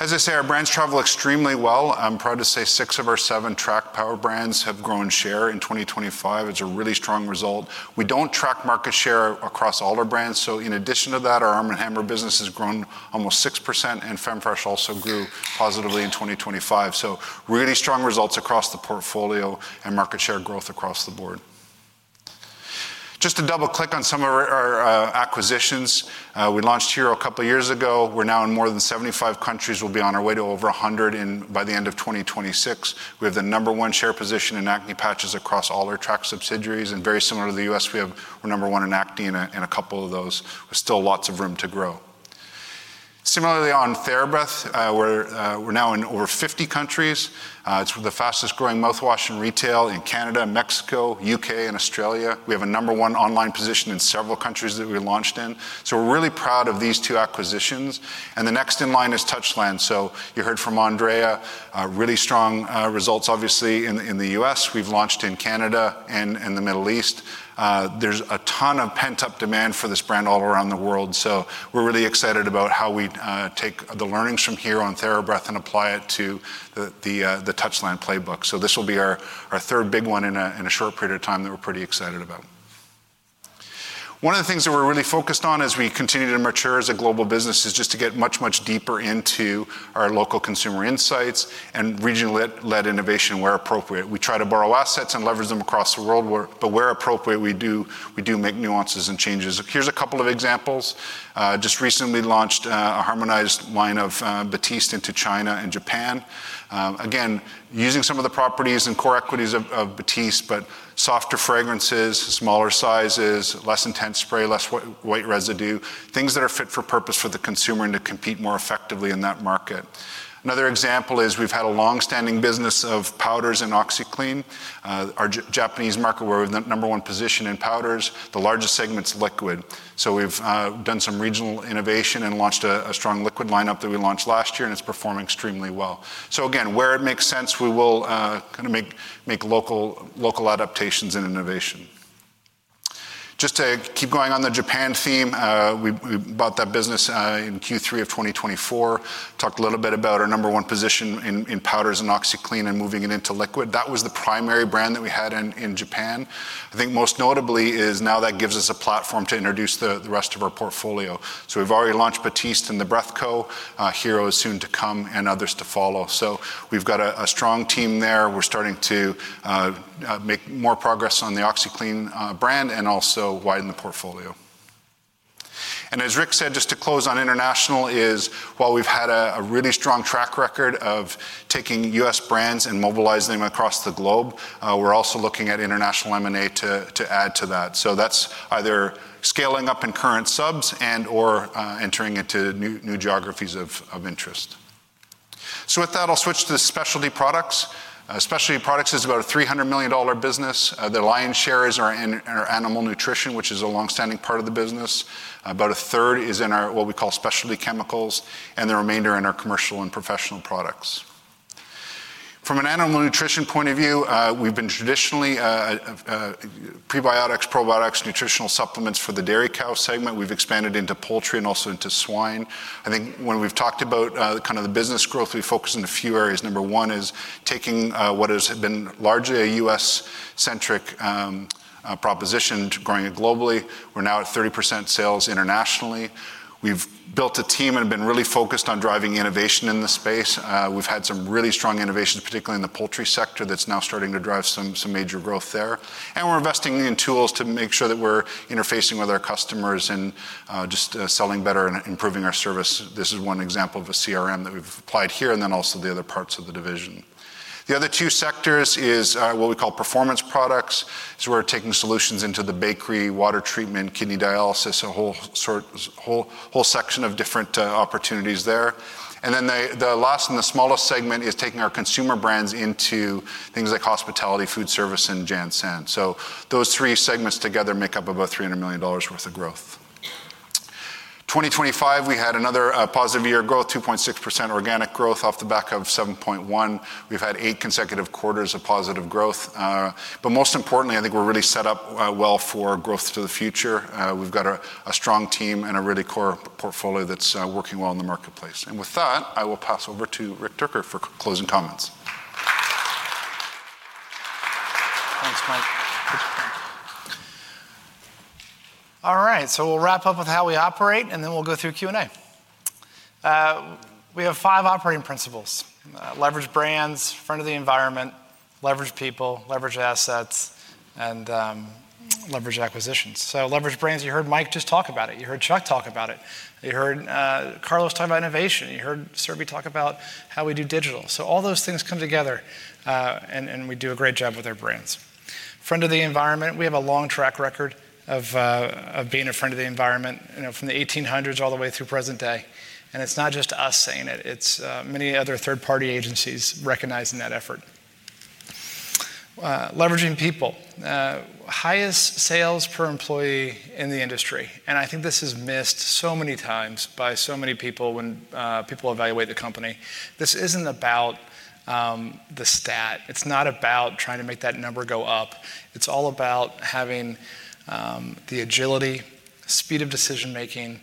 As I say, our brands travel extremely well. I'm proud to say six of our seven track power brands have grown share in 2025. It's a really strong result. We don't track market share across all our brands, so in addition to that, our Arm & Hammer business has grown almost 6%, and Femfresh also grew positively in 2025. So really strong results across the portfolio and market share growth across the board. Just to double-click on some of our acquisitions, we launched Hero a couple of years ago. We're now in more than 75 countries. We'll be on our way to over 100 in by the end of 2026. We have the number one share position in acne patches across all our track subsidiaries, and very similar to the U.S., we're number one in acne in a couple of those, with still lots of room to grow. Similarly, on TheraBreath, we're now in over 50 countries. It's the fastest growing mouthwash in retail in Canada, Mexico, U.K., and Australia. We have a number one online position in several countries that we launched in. So we're really proud of these two acquisitions, and the next in line is Touchland. So you heard from Andrea, really strong results, obviously, in the U.S. We've launched in Canada and in the Middle East. There's a ton of pent-up demand for this brand all around the world, so we're really excited about how we take the learnings from here on TheraBreath and apply it to the Touchland playbook. So this will be our third big one in a short period of time that we're pretty excited about. One of the things that we're really focused on as we continue to mature as a global business is just to get much, much deeper into our local consumer insights and regional-led innovation where appropriate. We try to borrow assets and leverage them across the world, but where appropriate, we do, we do make nuances and changes. Here's a couple of examples: just recently launched a harmonized line of Batiste into China and Japan. Again, using some of the properties and core equities of Batiste, but softer fragrances, smaller sizes, less intense spray, less white residue, things that are fit for purpose for the consumer and to compete more effectively in that market. Another example is we've had a long-standing business of powders and OxiClean. Our Japanese market, we're the number one position in powders. The largest segment is liquid. So we've done some regional innovation and launched a strong liquid lineup that we launched last year, and it's performing extremely well. So again, where it makes sense, we will kind of make local adaptations and innovation. Just to keep going on the Japan theme, we bought that business in Q3 of 2024. Talked a little bit about our number one position in powders and OxiClean and moving it into liquid. That was the primary brand that we had in Japan. I think most notably is now that gives us a platform to introduce the rest of our portfolio. So we've already launched Batiste and TheraBreath, Hero is soon to come and others to follow. So we've got a strong team there. We're starting to make more progress on the OxiClean brand and also widen the portfolio. And as Rick said, just to close on international, while we've had a really strong track record of taking U.S. brands and mobilizing them across the globe, we're also looking at international M&A to add to that. So that's either scaling up in current subs and/or entering into new geographies of interest. So with that, I'll switch to specialty products. Specialty products is about a $300 million business. The lion's share is in our animal nutrition, which is a long-standing part of the business. About a third is in our what we call specialty chemicals, and the remainder in our commercial and professional products. From an animal nutrition point of view, we've been traditionally, prebiotics, probiotics, nutritional supplements for the dairy cow segment. We've expanded into poultry and also into swine. I think when we've talked about, kind of the business growth, we focus on a few areas. Number one is taking, what has been largely a U.S.-centric, proposition to growing it globally. We're now at 30% sales internationally. We've built a team and been really focused on driving innovation in this space. We've had some really strong innovations, particularly in the poultry sector, that's now starting to drive some major growth there. And we're investing in tools to make sure that we're interfacing with our customers and, just, selling better and improving our service. This is one example of a CRM that we've applied here, and then also the other parts of the division. The other two sectors is what we call performance products. So we're taking solutions into the bakery, water treatment, kidney dialysis, a whole section of different opportunities there. And then the last and the smallest segment is taking our consumer brands into things like hospitality, food service, and JanSan. So those three segments together make up about $300 million worth of growth. In 2025, we had another positive year of growth, 2.6% organic growth off the back of 7.1%. We've had eight consecutive quarters of positive growth. But most importantly, I think we're really set up well for growth to the future. We've got a strong team and a really core portfolio that's working well in the marketplace. And with that, I will pass over to Rick Dierker for closing comments. Thanks, Mike. All right, so we'll wrap up with how we operate, and then we'll go through Q&A. We have five operating principles: leverage brands, friend of the environment, leverage people, leverage assets, and leverage acquisitions. So leverage brands, you heard Mike just talk about it. You heard Chuck talk about it. You heard Carlos talk about innovation. You heard Surabhi talk about how we do digital. So all those things come together, and we do a great job with our brands. Friend of the environment, we have a long track record of being a friend of the environment, you know, from the 1800s all the way through present day. And it's not just us saying it, it's many other third-party agencies recognizing that effort. Leveraging people. Highest sales per employee in the industry, and I think this is missed so many times by so many people when people evaluate the company. This isn't about the stat. It's not about trying to make that number go up. It's all about having the agility, speed of decision-making,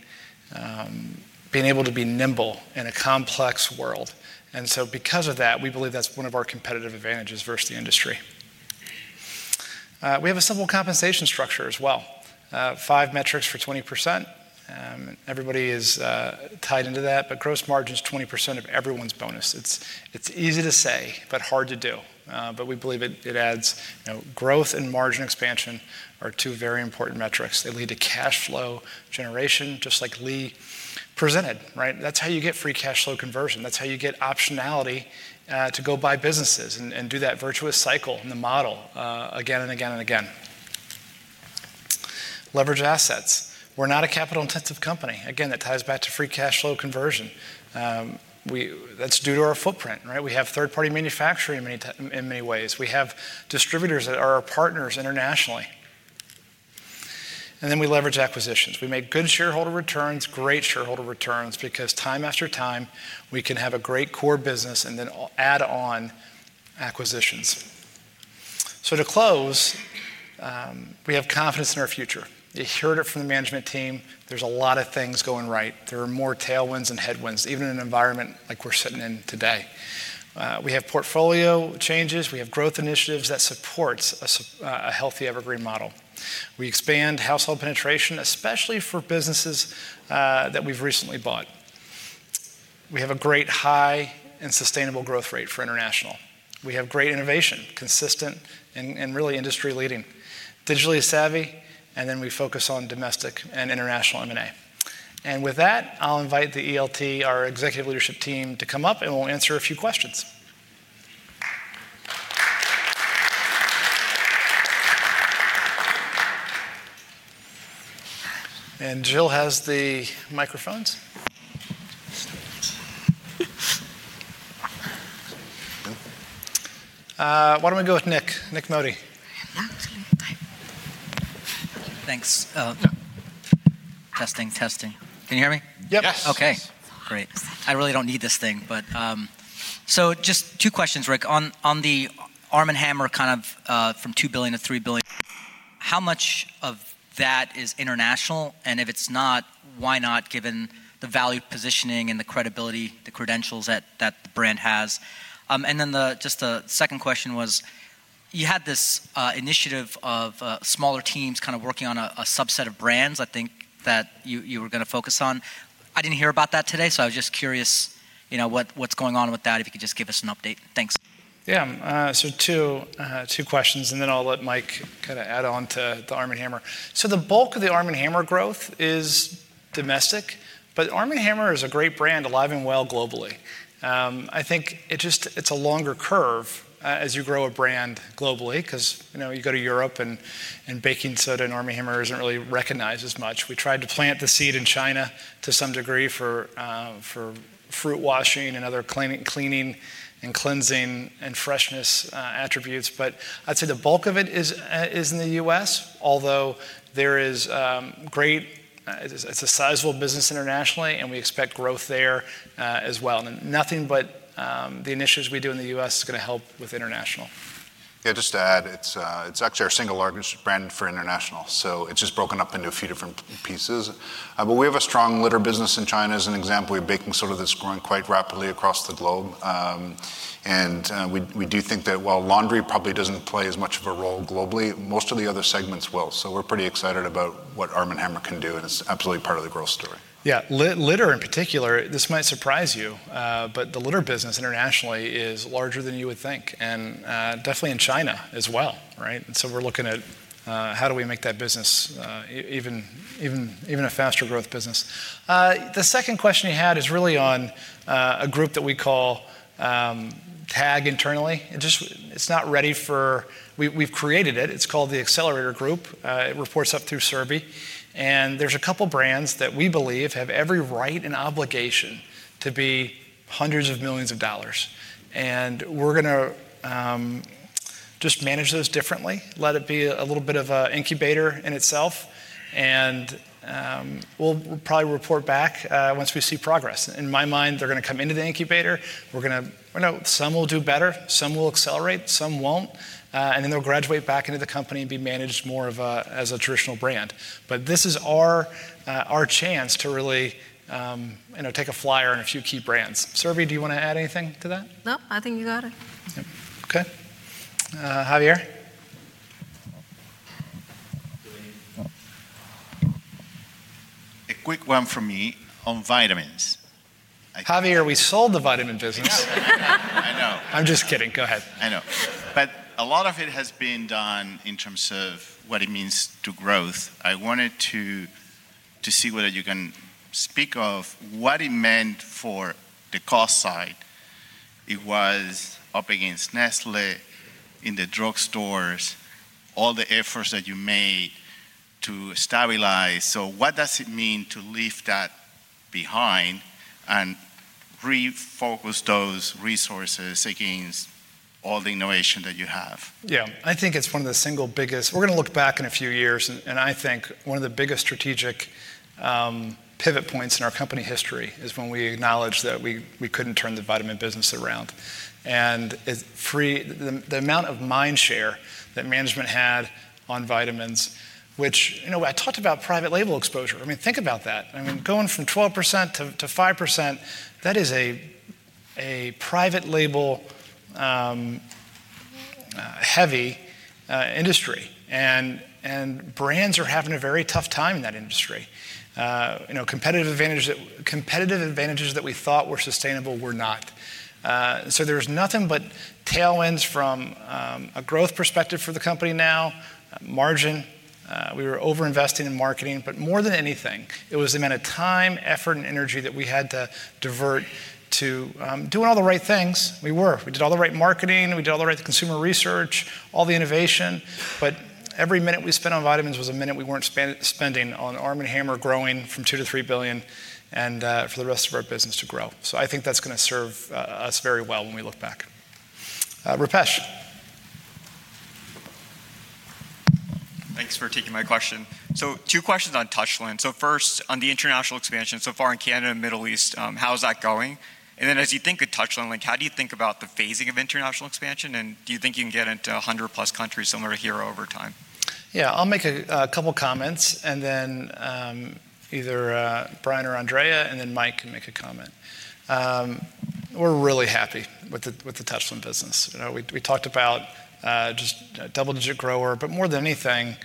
being able to be nimble in a complex world. And so because of that, we believe that's one of our competitive advantages versus the industry. We have a simple compensation structure as well. Five metrics for 20%, everybody is tied into that, but gross margin is 20% of everyone's bonus. It's easy to say, but hard to do, but we believe it adds, you know, growth and margin expansion are two very important metrics. They lead to cash flow generation, just like Lee presented, right? That's how you get free cash flow conversion. That's how you get optionality to go buy businesses and, and do that virtuous cycle and the model again and again and again. Leverage assets. We're not a capital-intensive company. Again, that ties back to free cash flow conversion. That's due to our footprint, right? We have third-party manufacturing in many ways. We have distributors that are our partners internationally. And then we leverage acquisitions. We make good shareholder returns, great shareholder returns, because time after time, we can have a great core business and then add on acquisitions. So to close, we have confidence in our future. You heard it from the management team, there's a lot of things going right. There are more tailwinds than headwinds, even in an environment like we're sitting in today. We have portfolio changes, we have growth initiatives that supports a healthy Evergreen Model. We expand household penetration, especially for businesses that we've recently bought. We have a great high and sustainable growth rate for international. We have great innovation, consistent and, and really industry-leading. Digitally savvy, and then we focus on domestic and international M&A. With that, I'll invite the ELT, our executive leadership team, to come up, and we'll answer a few questions. Jill has the microphones. Why don't we go with Nik? Nik Modi. Thanks. Testing, testing. Can you hear me? Yep. Yes. Okay, great. I really don't need this thing, but... So just two questions, Rick. On, on the Arm & Hammer, kind of, from $2 billion-$3 billion, how much of that is international? And if it's not, why not, given the value positioning and the credibility, the credentials that, that the brand has? And then the, just the second question was, you had this initiative of smaller teams kind of working on a, a subset of brands, I think, that you, you were gonna focus on. I didn't hear about that today, so I was just curious, you know, what's going on with that, if you could just give us an update. Thanks. Yeah, so two, two questions, and then I'll let Mike kinda add on to the Arm & Hammer. So the bulk of the Arm & Hammer growth is domestic, but Arm & Hammer is a great brand, alive and well globally. I think it just-it's a longer curve as you grow a brand globally, 'cause, you know, you go to Europe, and, and baking soda and Arm & Hammer isn't really recognized as much. We tried to plant the seed in China to some degree for fruit washing and other cleaning, and cleansing, and freshness attributes, but I'd say the bulk of it is, is in the U.S., although there is great... It's a sizable business internationally, and we expect growth there, as well. And nothing but the initiatives we do in the U.S. is gonna help with international. Yeah, just to add, it's actually our single largest brand for international, so it's just broken up into a few different pieces. But we have a strong litter business in China as an example, we have baking soda that's growing quite rapidly across the globe. And we do think that while laundry probably doesn't play as much of a role globally, most of the other segments will. So we're pretty excited about what Arm & Hammer can do, and it's absolutely part of the growth story. Yeah, litter, in particular, this might surprise you, but the litter business internationally is larger than you would think, and, definitely in China as well, right? And so we're looking at, how do we make that business, even a faster growth business. The second question you had is really on, a group that we call, TAG internally. It's not ready for. We've created it. It's called the Accelerator Group. It reports up through Surabhi, and there's a couple brands that we believe have every right and obligation to be hundreds of millions of dollars. And we're gonna. Just manage those differently, let it be a little bit of a incubator in itself, and, we'll, we'll probably report back, once we see progress. In my mind, they're gonna come into the incubator. We're gonna, you know, some will do better, some will accelerate, some won't, and then they'll graduate back into the company and be managed more as a traditional brand. But this is our chance to really, you know, take a flyer on a few key brands. Surabhi, do you want to add anything to that? No, I think you got it. Yep. Okay. Javier? A quick one from me on vitamins. Javier, we sold the vitamin business. I know. I'm just kidding. Go ahead. I know. But a lot of it has been done in terms of what it means to growth. I wanted to see whether you can speak of what it meant for the cost side. It was up against Nestlé in the drugstores, all the efforts that you made to stabilize. So what does it mean to leave that behind and refocus those resources against all the innovation that you have? Yeah. I think it's one of the single biggest... We're going to look back in a few years, and I think one of the biggest strategic pivot points in our company history is when we acknowledged that we couldn't turn the vitamin business around. And it freed the amount of mind share that management had on vitamins, which, you know, I talked about private label exposure. I mean, think about that. I mean, going from 12% to 5%, that is a private label heavy industry, and brands are having a very tough time in that industry. You know, competitive advantages that we thought were sustainable were not. So there's nothing but tailwinds from a growth perspective for the company now. Margin, we were over-investing in marketing, but more than anything, it was the amount of time, effort, and energy that we had to divert to doing all the right things. We were. We did all the right marketing, we did all the right consumer research, all the innovation, but every minute we spent on vitamins was a minute we weren't spending on Arm & Hammer growing from $2 billion-$3 billion and for the rest of our business to grow. So I think that's gonna serve us very well when we look back. Rupesh? Thanks for taking my question. So two questions on Touchland. So first, on the international expansion, so far in Canada, Middle East, how is that going? And then as you think of Touchland, like, how do you think about the phasing of international expansion? And do you think you can get into 100+ countries similar to Hero over time? Yeah, I'll make a couple comments, and then, either, Brian or Andrea, and then Mike can make a comment. We're really happy with the Touchland business. You know, we talked about just a double-digit grower, but more than anything,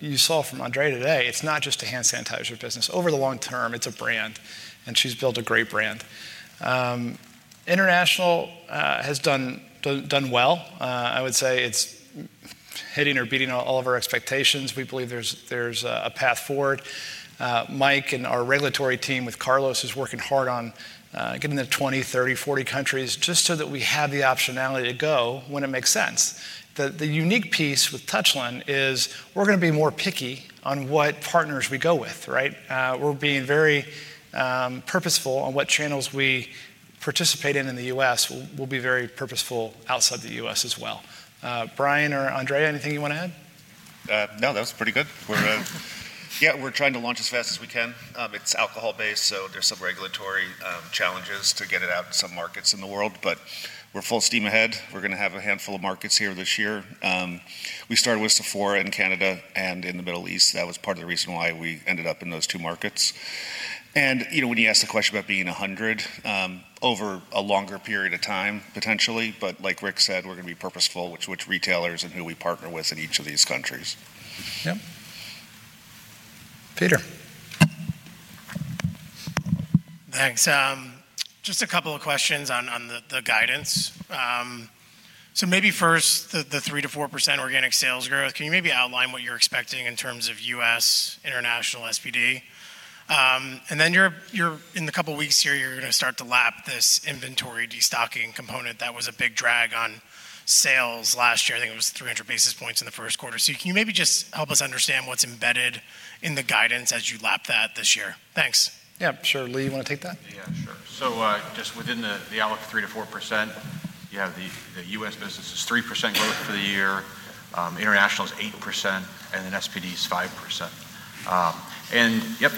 you saw from Andrea today, it's not just a hand sanitizer business. Over the long term, it's a brand, and she's built a great brand. International has done well. I would say it's hitting or beating all of our expectations. We believe there's a path forward. Mike and our regulatory team with Carlos is working hard on getting to 20, 30, 40 countries, just so that we have the optionality to go when it makes sense. The unique piece with Touchland is we're gonna be more picky on what partners we go with, right? We're being very purposeful on what channels we participate in in the U.S. We'll be very purposeful outside the U.S. as well. Brian or Andrea, anything you want to add? No, that was pretty good. We're, yeah, we're trying to launch as fast as we can. It's alcohol-based, so there's some regulatory challenges to get it out in some markets in the world, but we're full steam ahead. We're gonna have a handful of markets here this year. We started with Sephora in Canada and in the Middle East. That was part of the reason why we ended up in those two markets. You know, when you asked the question about being 100 over a longer period of time, potentially, but like Rick said, we're gonna be purposeful with which retailers and who we partner with in each of these countries. Yep. Peter? Thanks. Just a couple of questions on the guidance. So maybe first, the 3%-4% organic sales growth, can you maybe outline what you're expecting in terms of U.S., international, SPD? And then you're in a couple of weeks here, you're gonna start to lap this inventory destocking component that was a big drag on sales last year. I think it was 300 basis points in the first quarter. So can you maybe just help us understand what's embedded in the guidance as you lap that this year? Thanks. Yeah, sure. Lee, you wanna take that? Yeah, sure. So, just within the outlook of 3%-4%, you have the U.S. business is 3% growth for the year, international is 8%, and then SPD is 5%. And yep,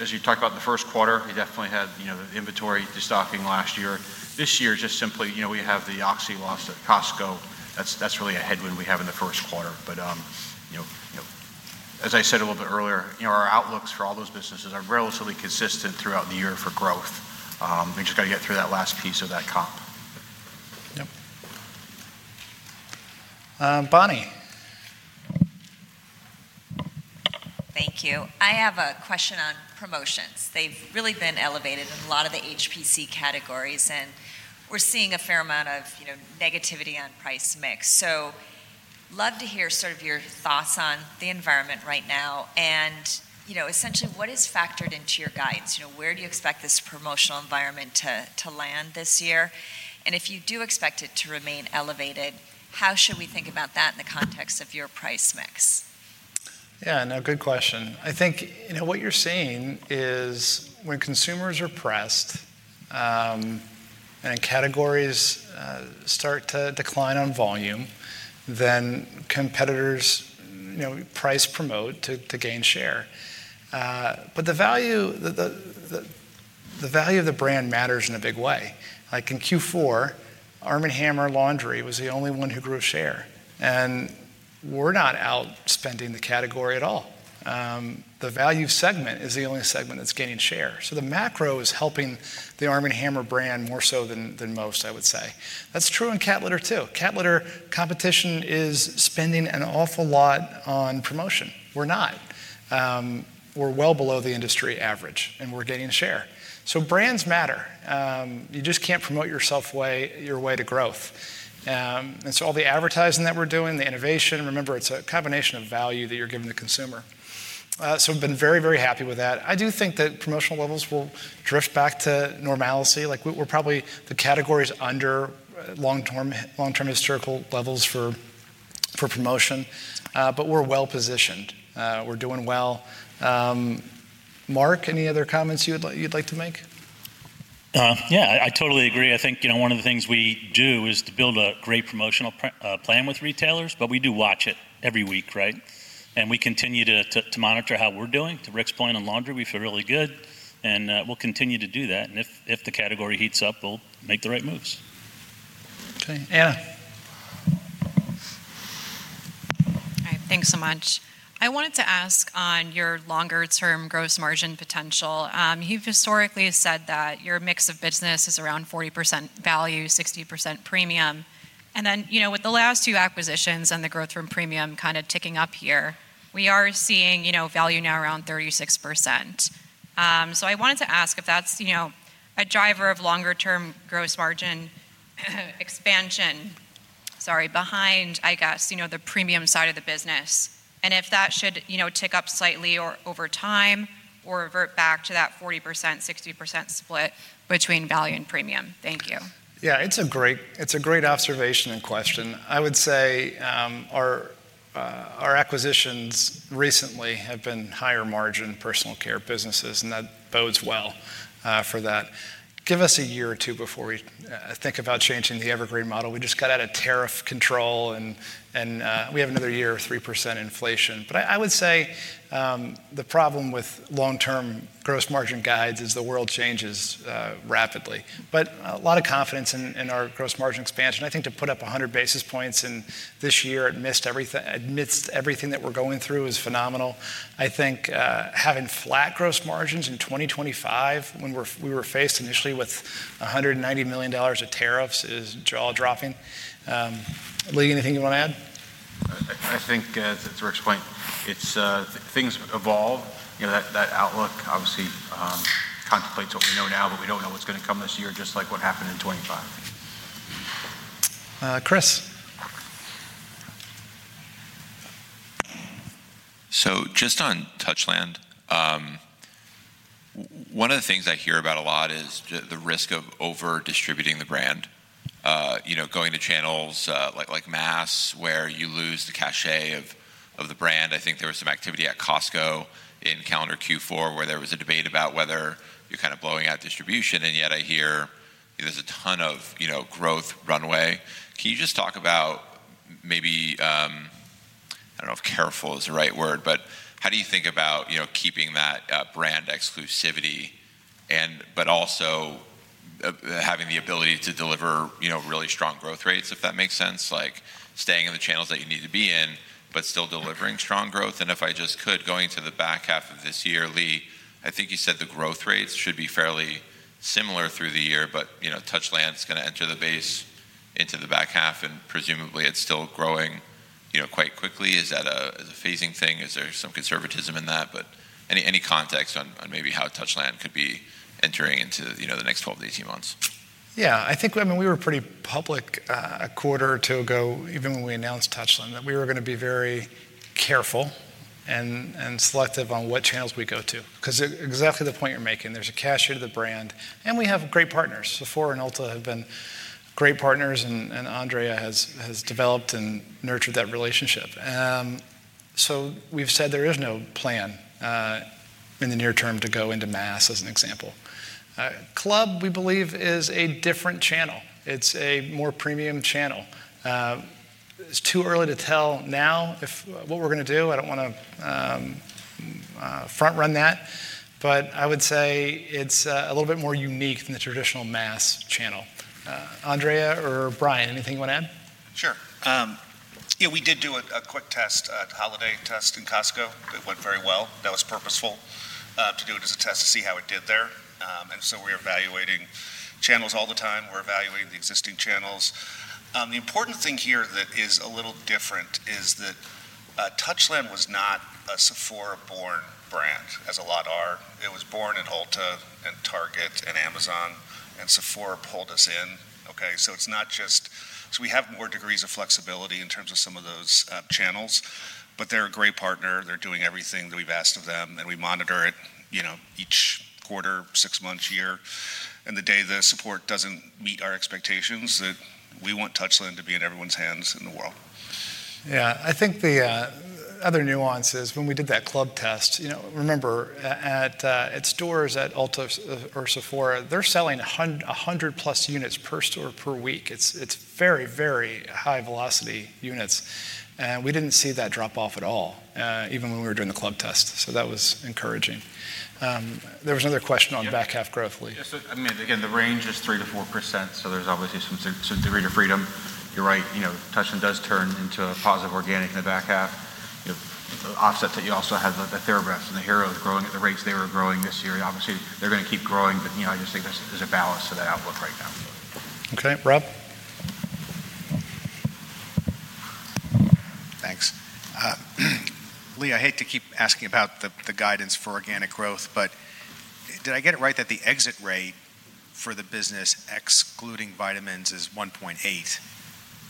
as you talked about in the first quarter, we definitely had, you know, the inventory destocking last year. This year, just simply, you know, we have the Oxi loss at Costco. That's really a headwind we have in the first quarter. But, you know, as I said a little bit earlier, you know, our outlooks for all those businesses are relatively consistent throughout the year for growth. We just got to get through that last piece of that comp. Yep. Bonnie? Thank you. I have a question on promotions. They've really been elevated in a lot of the HPC categories, and we're seeing a fair amount of, you know, negativity on price mix. So love to hear sort of your thoughts on the environment right now, and, you know, essentially, what is factored into your guidance? You know, where do you expect this promotional environment to, to land this year? And if you do expect it to remain elevated, how should we think about that in the context of your price mix? Yeah, no, good question. I think, you know, what you're seeing is when consumers are pressed, and categories start to decline on volume, then competitors, you know, price promote to gain share. But the value, the value of the brand matters in a big way. Like in Q4, Arm & Hammer Laundry was the only one who grew share, and we're not outspending the category at all. The value segment is the only segment that's gaining share. So the macro is helping the Arm & Hammer brand more so than most, I would say. That's true in cat litter, too. Cat litter competition is spending an awful lot on promotion. We're not. We're well below the industry average, and we're gaining share. So brands matter. You just can't promote your way to growth. And so all the advertising that we're doing, the innovation, remember, it's a combination of value that you're giving the consumer. So we've been very, very happy with that. I do think that promotional levels will drift back to normalcy. Like, we're probably the categories under long-term, long-term historical levels for, for promotion, but we're well positioned. We're doing well. Mark, any other comments you'd like to make? Yeah, I totally agree. I think, you know, one of the things we do is to build a great promotional plan with retailers, but we do watch it every week, right? And we continue to monitor how we're doing. To Rick's point, on laundry, we feel really good, and we'll continue to do that, and if the category heats up, we'll make the right moves. Okay, Anna. All right, thanks so much. I wanted to ask on your longer-term gross margin potential. You've historically said that your mix of business is around 40% value, 60% premium, and then, you know, with the last two acquisitions and the growth from premium kind of ticking up here, we are seeing, you know, value now around 36%. So I wanted to ask if that's, you know, a driver of longer-term gross margin, expansion, sorry, behind, I guess, you know, the premium side of the business, and if that should, you know, tick up slightly or over time or revert back to that 40%, 60% split between value and premium. Thank you. Yeah, it's a great observation and question. I would say, our acquisitions recently have been higher margin personal care businesses, and that bodes well, for that. Give us a year or two before we think about changing the Evergreen Model. We just got out of tariff control, and we have another year of 3% inflation. But I would say, the problem with long-term gross margin guides is the world changes, rapidly. But a lot of confidence in our gross margin expansion. I think to put up 100 basis points in this year, amidst everything that we're going through, is phenomenal. I think, having flat gross margins in 2025 when we were faced initially with $190 million of tariffs is jaw-dropping. Lee, anything you want to add? I think to Rick's point, it's things evolve. You know, that outlook obviously contemplates what we know now, but we don't know what's going to come this year, just like what happened in 2025. Uh, Chris. So just on Touchland, one of the things I hear about a lot is the risk of over-distributing the brand, you know, going to channels like mass, where you lose the cachet of the brand. I think there was some activity at Costco in calendar Q4, where there was a debate about whether you're kind of blowing out distribution, and yet I hear there's a ton of growth runway. Can you just talk about maybe I don't know if careful is the right word, but how do you think about keeping that brand exclusivity and but also having the ability to deliver really strong growth rates, if that makes sense? Like staying in the channels that you need to be in, but still delivering strong growth. And if I just could, going to the back half of this year, Lee, I think you said the growth rates should be fairly similar through the year, but, you know, Touchland's going to enter the base into the back half, and presumably, it's still growing, you know, quite quickly. Is that a, is a phasing thing? Is there some conservatism in that? But any, any context on, on maybe how Touchland could be entering into, you know, the next 12-18 months? Yeah, I think, I mean, we were pretty public a quarter or two ago, even when we announced Touchland, that we were going to be very careful and selective on what channels we go to. 'Cause exactly the point you're making, there's a cachet to the brand, and we have great partners. Sephora and Ulta have been great partners, and Andrea has developed and nurtured that relationship. So we've said there is no plan in the near term to go into mass, as an example. Club, we believe, is a different channel. It's a more premium channel. It's too early to tell now if what we're going to do. I don't want to front-run that, but I would say it's a little bit more unique than the traditional mass channel. Andrea or Brian, anything you want to add? Sure. Yeah, we did do a quick test, a holiday test in Costco. It went very well. That was purposeful to do it as a test to see how it did there. And so we're evaluating channels all the time. We're evaluating the existing channels. The important thing here that is a little different is that Touchland was not a Sephora-born brand, as a lot are. It was born in Ulta and Target and Amazon, and Sephora pulled us in, okay? So we have more degrees of flexibility in terms of some of those channels, but they're a great partner. They're doing everything that we've asked of them, and we monitor it, you know, each quarter, six months, year. The day the support doesn't meet our expectations, that we want Touchland to be in everyone's hands in the world. Yeah, I think the other nuances, when we did that club test, you know, remember, at stores at Ulta or Sephora, they're selling 100+ units per store per week. It's very, very high velocity units, and we didn't see that drop off at all, even when we were doing the club test, so that was encouraging. There was another question on back half growth, Lee? Yes, so I mean, again, the range is 3%-4%, so there's obviously some degree of freedom. You're right, you know, Touchland does turn into a positive organic in the back half. You know, the offset that you also have, the TheraBreath and the Hero growing at the rates they were growing this year, obviously, they're going to keep growing, but, you know, I just think there's a balance to that outlook right now. Okay, Rob? Thanks. Lee, I hate to keep asking about the guidance for organic growth, but did I get it right that the exit rate for the business, excluding vitamins, is 1.8%?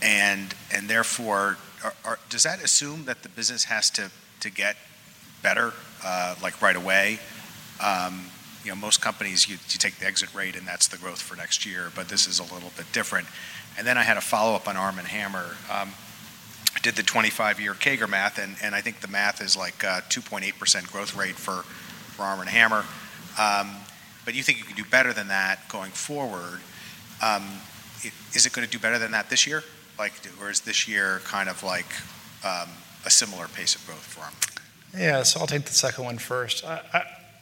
And therefore, does that assume that the business has to get better, like, right away? You know, most companies, you take the exit rate, and that's the growth for next year, but this is a little bit different. And then I had a follow-up on Arm & Hammer. I did the 25-year CAGR math, and I think the math is, like, 2.8% growth rate for Arm & Hammer. But you think you can do better than that going forward. Is it going to do better than that this year? Like, or is this year kind of like, a similar pace of growth for them? Yeah, so I'll take the second one first.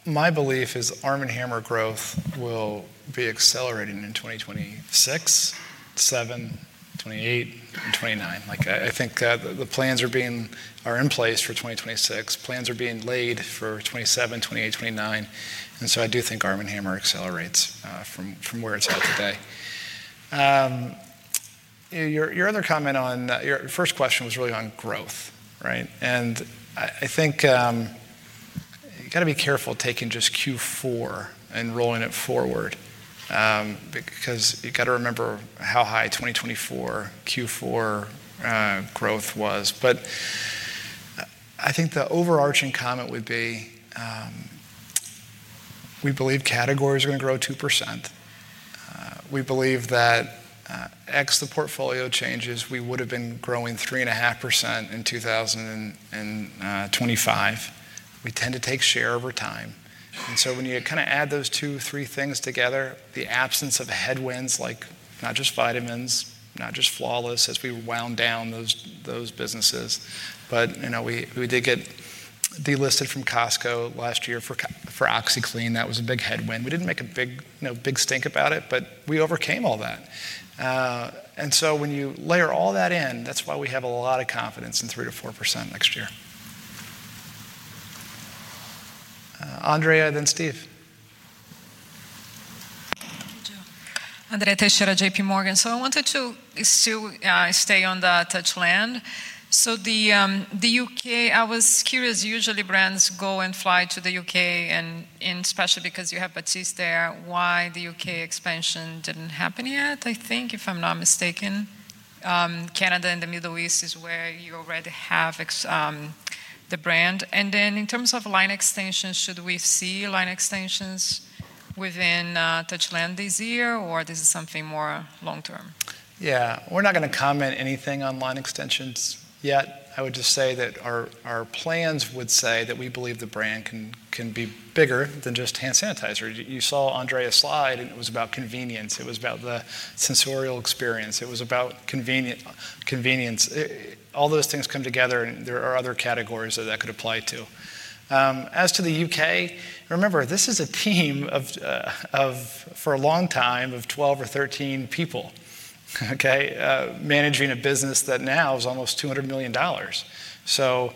My belief is Arm & Hammer growth will be accelerating in 2026, 2027, 2028, and 2029. Like, I think the plans are being... are in place for 2026. Plans are being laid for 2027, 2028, 2029, and so I do think Arm & Hammer accelerates from where it's at today. Your other comment on... Your first question was really on growth, right? And I think you've got to be careful taking just Q4 and rolling it forward because you've got to remember how high 2024 Q4 growth was. But I think the overarching comment would be we believe categories are going to grow 2%. We believe that, ex the portfolio changes, we would've been growing 3.5% in 2025. We tend to take share over time. And so when you kind of add those two, three things together, the absence of headwinds, like not just vitamins, not just Flawless, as we wound down those, those businesses, but, you know, we, we did get delisted from Costco last year for Co- for OxiClean. That was a big headwind. We didn't make a big, you know, big stink about it, but we overcame all that. And so when you layer all that in, that's why we have a lot of confidence in 3%-4% next year. Andrea, and then Steve. Thank you. Andrea Teixeira, JPMorgan. I wanted to still stay on the Touchland. The U.K., I was curious, usually brands go and fly to the U.K., and especially because you have Batiste there, why the U.K. expansion didn't happen yet, I think, if I'm not mistaken. Canada and the Middle East is where you already have ex the brand. And then in terms of line extensions, should we see line extensions within Touchland this year, or this is something more long term? Yeah. We're not going to comment anything on line extensions yet. I would just say that our plans would say that we believe the brand can be bigger than just hand sanitizer. You saw Andrea's slide, and it was about convenience, it was about the sensorial experience, it was about convenience. All those things come together, and there are other categories that could apply to. As to the U.K., remember, this is a team of, for a long time, 12 or 13 people, okay? Managing a business that now is almost $200 million. So,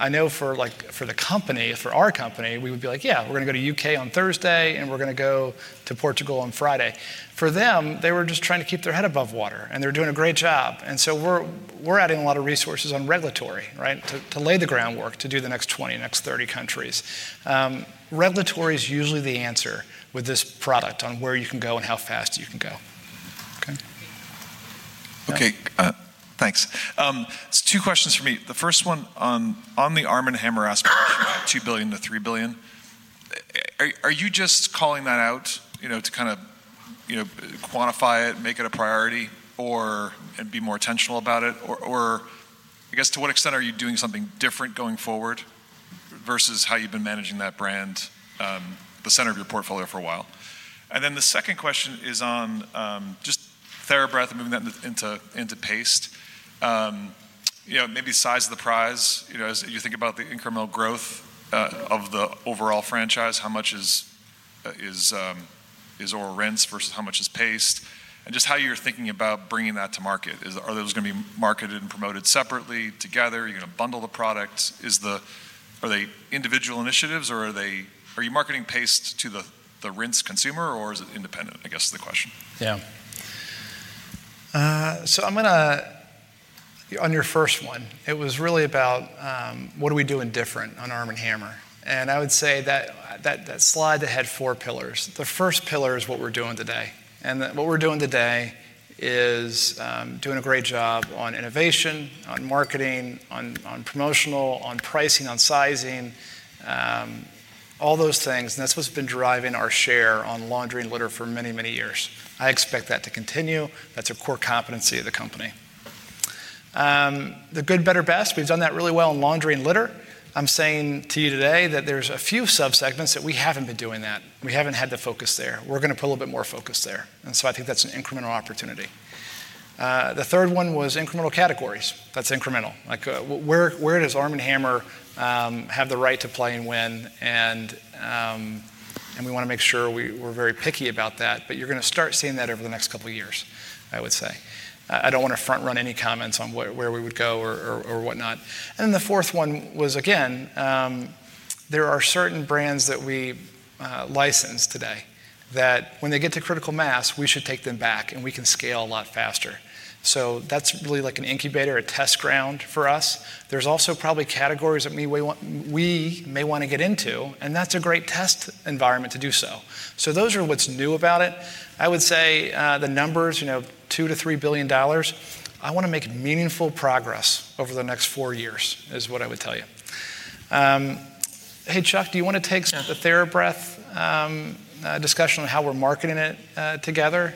I know for, like, for the company, for our company, we would be like: "Yeah, we're gonna go to U.K. on Thursday, and we're gonna go to Portugal on Friday." For them, they were just trying to keep their head above water, and they're doing a great job. And so we're adding a lot of resources on regulatory, right? To lay the groundwork, to do the next 20, next 30 countries. Regulatory is usually the answer with this product on where you can go and how fast you can go. Okay. Okay, thanks. So two questions from me. The first one on the Arm & Hammer aspiration, $2 billion-$3 billion, are you just calling that out, you know, to kind of, you know, quantify it, make it a priority, or and be more intentional about it? Or I guess, to what extent are you doing something different going forward versus how you've been managing that brand, the center of your portfolio for a while? And then the second question is on just TheraBreath and moving that into paste. You know, maybe size of the prize, you know, as you think about the incremental growth of the overall franchise, how much is oral rinse versus how much is paste? And just how you're thinking about bringing that to market. Is... Are those going to be marketed and promoted separately, together? Are you going to bundle the products? Are they individual initiatives, or are they... Are you marketing paste to the rinse consumer, or is it independent? I guess, is the question. Yeah. So I'm gonna... On your first one, it was really about what are we doing different on Arm & Hammer? And I would say that slide that had four pillars. The first pillar is what we're doing today, and what we're doing today is doing a great job on innovation, on marketing, on promotional, on pricing, on sizing, all those things, and that's what's been driving our share on laundry and litter for many, many years. I expect that to continue. That's a core competency of the company. The good, better, best, we've done that really well in laundry and litter. I'm saying to you today that there's a few subsegments that we haven't been doing that. We haven't had the focus there. We're going to put a little bit more focus there, and so I think that's an incremental opportunity. The third one was incremental categories. That's incremental. Like, where, where does Arm & Hammer have the right to play and win? And, and we want to make sure we're very picky about that, but you're going to start seeing that over the next couple of years, I would say. I don't want to front-run any comments on where, where we would go or, or, or whatnot. And then the fourth one was, again, there are certain brands that we license today that when they get to critical mass, we should take them back, and we can scale a lot faster. So that's really like an incubator, a test ground for us. There's also probably categories that me, we want—we may want to get into, and that's a great test environment to do so. So those are what's new about it. I would say, the numbers, you know, $2 billion-$3 billion, I want to make meaningful progress over the next four years, is what I would tell you. Hey, Chuck, do you want to take the TheraBreath discussion on how we're marketing it, together?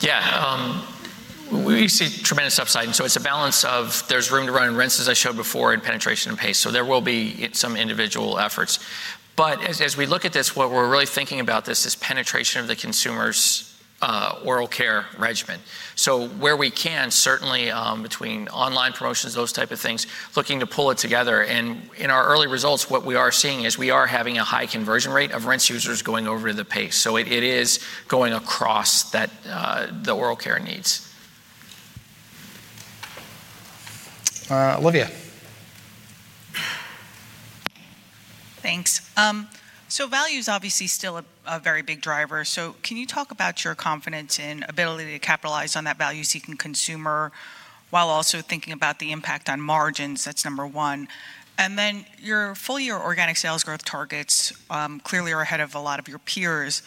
Yeah. We see tremendous upside, and so it's a balance of there's room to run in rinse, as I showed before, in penetration and paste. So there will be some individual efforts. But as we look at this, what we're really thinking about this is penetration of the oral care regimen. So where we can, certainly, between online promotions, those type of things, looking to pull it together. And in our early results, what we are seeing is we are having a high conversion rate of rinse users going over to the paste. So it is going across that, oral care needs. Uh, Olivia. Thanks. So value is obviously still a very big driver, so can you talk about your confidence and ability to capitalize on that value-seeking consumer while also thinking about the impact on margins? That's number one. And then your full-year organic sales growth targets clearly are ahead of a lot of your peers,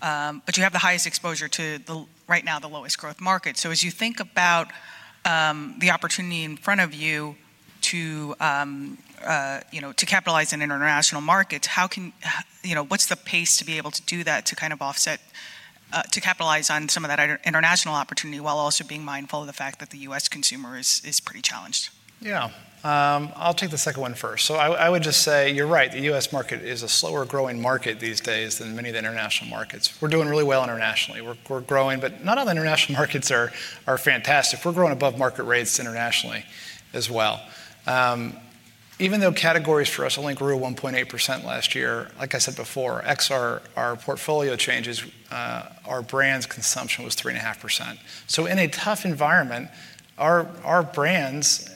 but you have the highest exposure to the right now, the lowest growth market. So as you think about the opportunity in front of you to you know, to capitalize on international markets, how can you know, what's the pace to be able to do that, to kind of offset to capitalize on some of that international opportunity, while also being mindful of the fact that the U.S. consumer is pretty challenged? Yeah. I'll take the second one first. So I, I would just say you're right, the U.S. market is a slower-growing market these days than many of the international markets. We're doing really well internationally. We're, we're growing, but not all the international markets are, are fantastic. We're growing above market rates internationally as well. Even though categories for us only grew 1.8% last year, like I said before, ex our, our portfolio changes, our brands' consumption was 3.5%. So in a tough environment, our, our brands,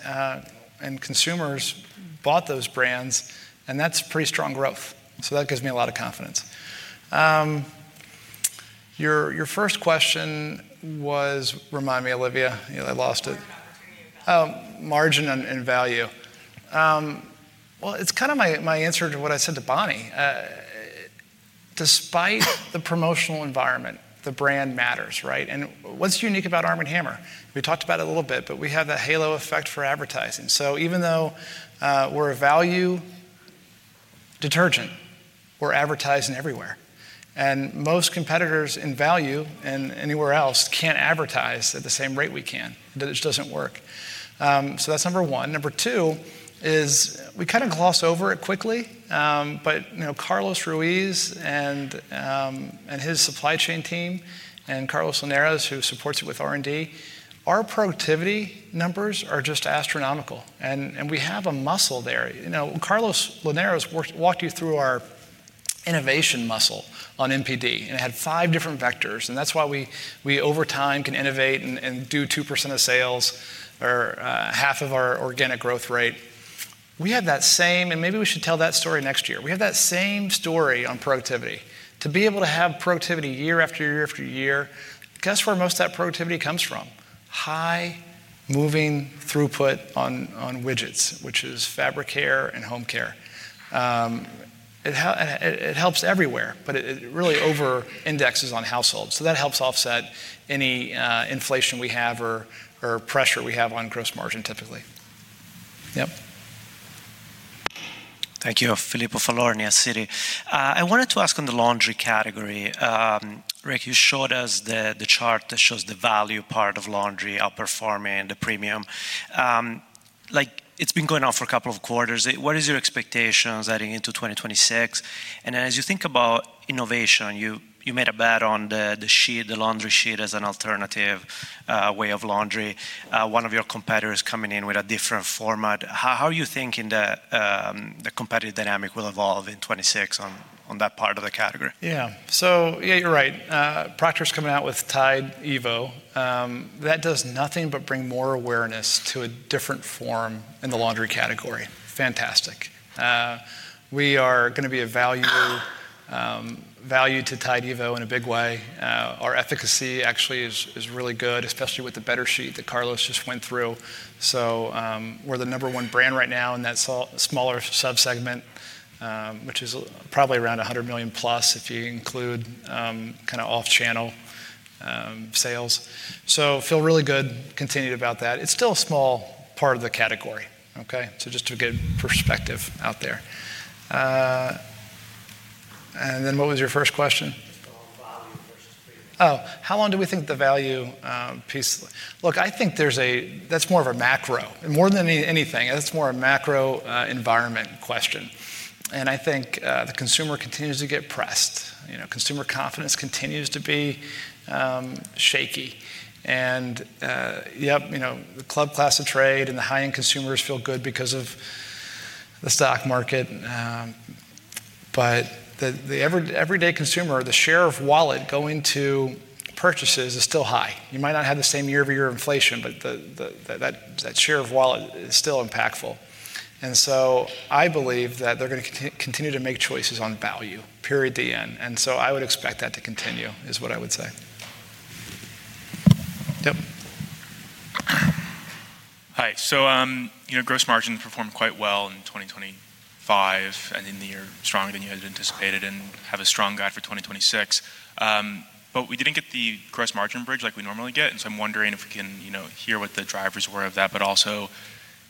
and consumers bought those brands, and that's pretty strong growth. So that gives me a lot of confidence. Your, your first question was... Remind me, Olivia. You know, I lost it. Opportunity and value. Margin and value. Well, it's kind of my answer to what I said to Bonnie. Despite the promotional environment, the brand matters, right? And what's unique about Arm & Hammer? We talked about it a little bit, but we have that halo effect for advertising. So even though we're a value detergent, we're advertising everywhere, and most competitors in value and anywhere else can't advertise at the same rate we can. It just doesn't work. So that's number one. Number two is we kind of glossed over it quickly, but you know, Carlos Ruiz and his supply chain team, and Carlos Linares, who supports it with R&D, our productivity numbers are just astronomical, and we have a muscle there. You know, Carlos Linares walked you through our innovation muscle on NPD, and it had five different vectors, and that's why we over time can innovate and do 2% of sales or half of our organic growth rate. We have that same—and maybe we should tell that story next year. We have that same story on productivity. To be able to have productivity year after year after year, guess where most of that productivity comes from? High moving throughput on widgets, which is fabric care and home care. It helps everywhere, but it really overindexes on households, so that helps offset any inflation we have or pressure we have on gross margin, typically. Yep. Thank you. Filippo Falorni, Citi. I wanted to ask on the laundry category, Rick, you showed us the chart that shows the value part of laundry outperforming the premium. Like, it's been going on for a couple of quarters. What is your expectations heading into 2026? And then as you think about innovation, you made a bet on the sheet, the laundry sheet, as an alternative way of laundry. One of your competitors coming in with a different format. How are you thinking the competitive dynamic will evolve in 2026 on that part of the category? Yeah. So yeah, you're right. Procter & Gamble's coming out with Tide Evo. That does nothing but bring more awareness to a different form in the laundry category. Fantastic. We are gonna be a value to Tide Evo in a big way. Our efficacy actually is really good, especially with the better tier that Carlos just went through. So, we're the number one brand right now in that smaller subsegment, which is probably around $100 million plus, if you include kind of off-channel sales. So feel really good continuing about that. It's still a small part of the category, okay? So just to get perspective out there. And then what was your first question?... Oh, how long do we think the value piece? Look, I think there's a - that's more of a macro. More than anything, that's more a macro environment question, and I think the consumer continues to get pressed. You know, consumer confidence continues to be shaky. And yep, you know, the club class of trade and the high-end consumers feel good because of the stock market, but the everyday consumer, the share of wallet going to purchases is still high. You might not have the same year-over-year inflation, but the that share of wallet is still impactful. And so I believe that they're gonna continue to make choices on value, period, the end. And so I would expect that to continue, is what I would say. Yep. Hi. So, you know, gross margin performed quite well in 2025, and in the year, stronger than you had anticipated and have a strong guide for 2026. But we didn't get the gross margin bridge like we normally get, and so I'm wondering if we can, you know, hear what the drivers were of that, but also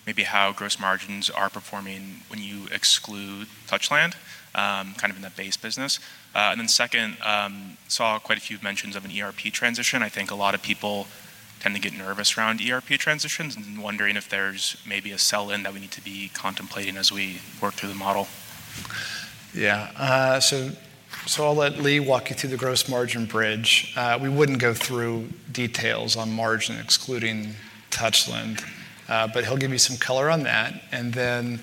maybe how gross margins are performing when you exclude Touchland, kind of in the base business. And then second, saw quite a few mentions of an ERP transition. I think a lot of people tend to get nervous around ERP transitions, and wondering if there's maybe a sell-in that we need to be contemplating as we work through the model. Yeah, so I'll let Lee walk you through the gross margin bridge. We wouldn't go through details on margin, excluding Touchland, but he'll give you some color on that. And then,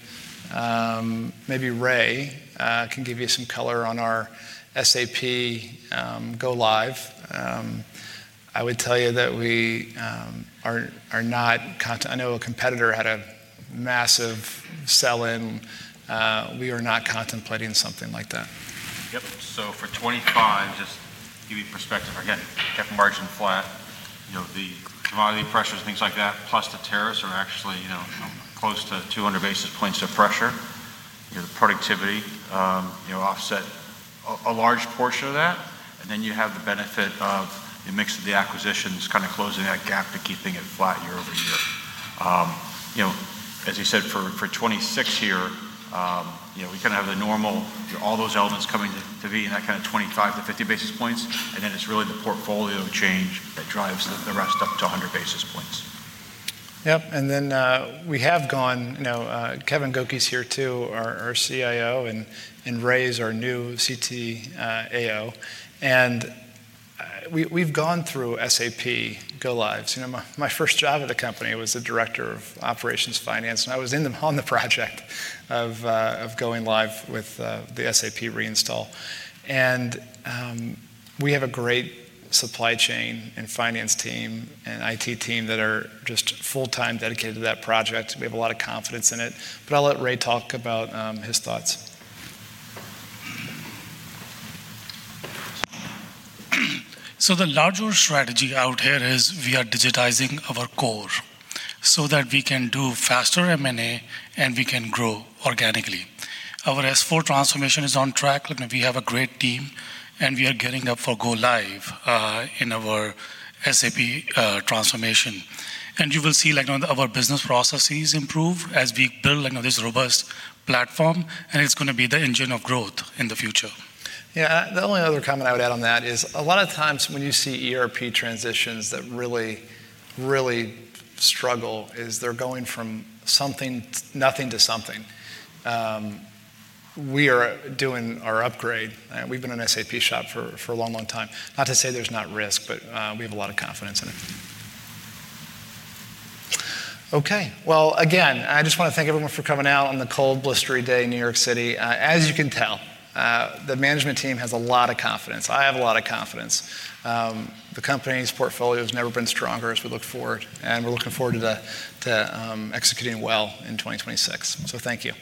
maybe Ray can give you some color on our SAP go-live. I would tell you that we are not. I know a competitor had a massive sell-in. We are not contemplating something like that. Yep. So for 2025, just to give you perspective, again, kept margin flat, you know, the commodity pressures, things like that, plus the tariffs are actually, you know, close to 200 basis points of pressure. You know, the productivity, you know, offset a, a large portion of that, and then you have the benefit of the mix of the acquisitions kind of closing that gap to keeping it flat year-over-year. You know, as you said, for, for 2026 here, you know, we kind of have the normal, all those elements coming to, to be in that kind of 25-50 basis points, and then it's really the portfolio change that drives the rest up to 100 basis points. Yep, and then we have gone—you know, Kevin Gokey's here, too, our CIO, and Ray's our new CTAO. And we've gone through SAP go-lives. You know, my first job at the company was the director of operations finance, and I was on the project of going live with the SAP reinstall. And we have a great supply chain and finance team and IT team that are just full-time dedicated to that project. We have a lot of confidence in it, but I'll let Ray talk about his thoughts. The larger strategy out here is we are digitizing our core so that we can do faster M&A, and we can grow organically. Our S/4 transformation is on track, and we have a great team, and we are gearing up for go-live in our SAP transformation. And you will see, like, our business processes improve as we build, like, this robust platform, and it's gonna be the engine of growth in the future. Yeah, the only other comment I would add on that is a lot of times when you see ERP transitions that really, really struggle is they're going from something - nothing to something. We are doing our upgrade, and we've been an SAP shop for a long, long time. Not to say there's not risk, but we have a lot of confidence in it. Okay, well, again, I just want to thank everyone for coming out on the cold, blustery day in New York City. As you can tell, the management team has a lot of confidence. I have a lot of confidence. The company's portfolio has never been stronger as we look forward, and we're looking forward to executing well in 2026. So thank you.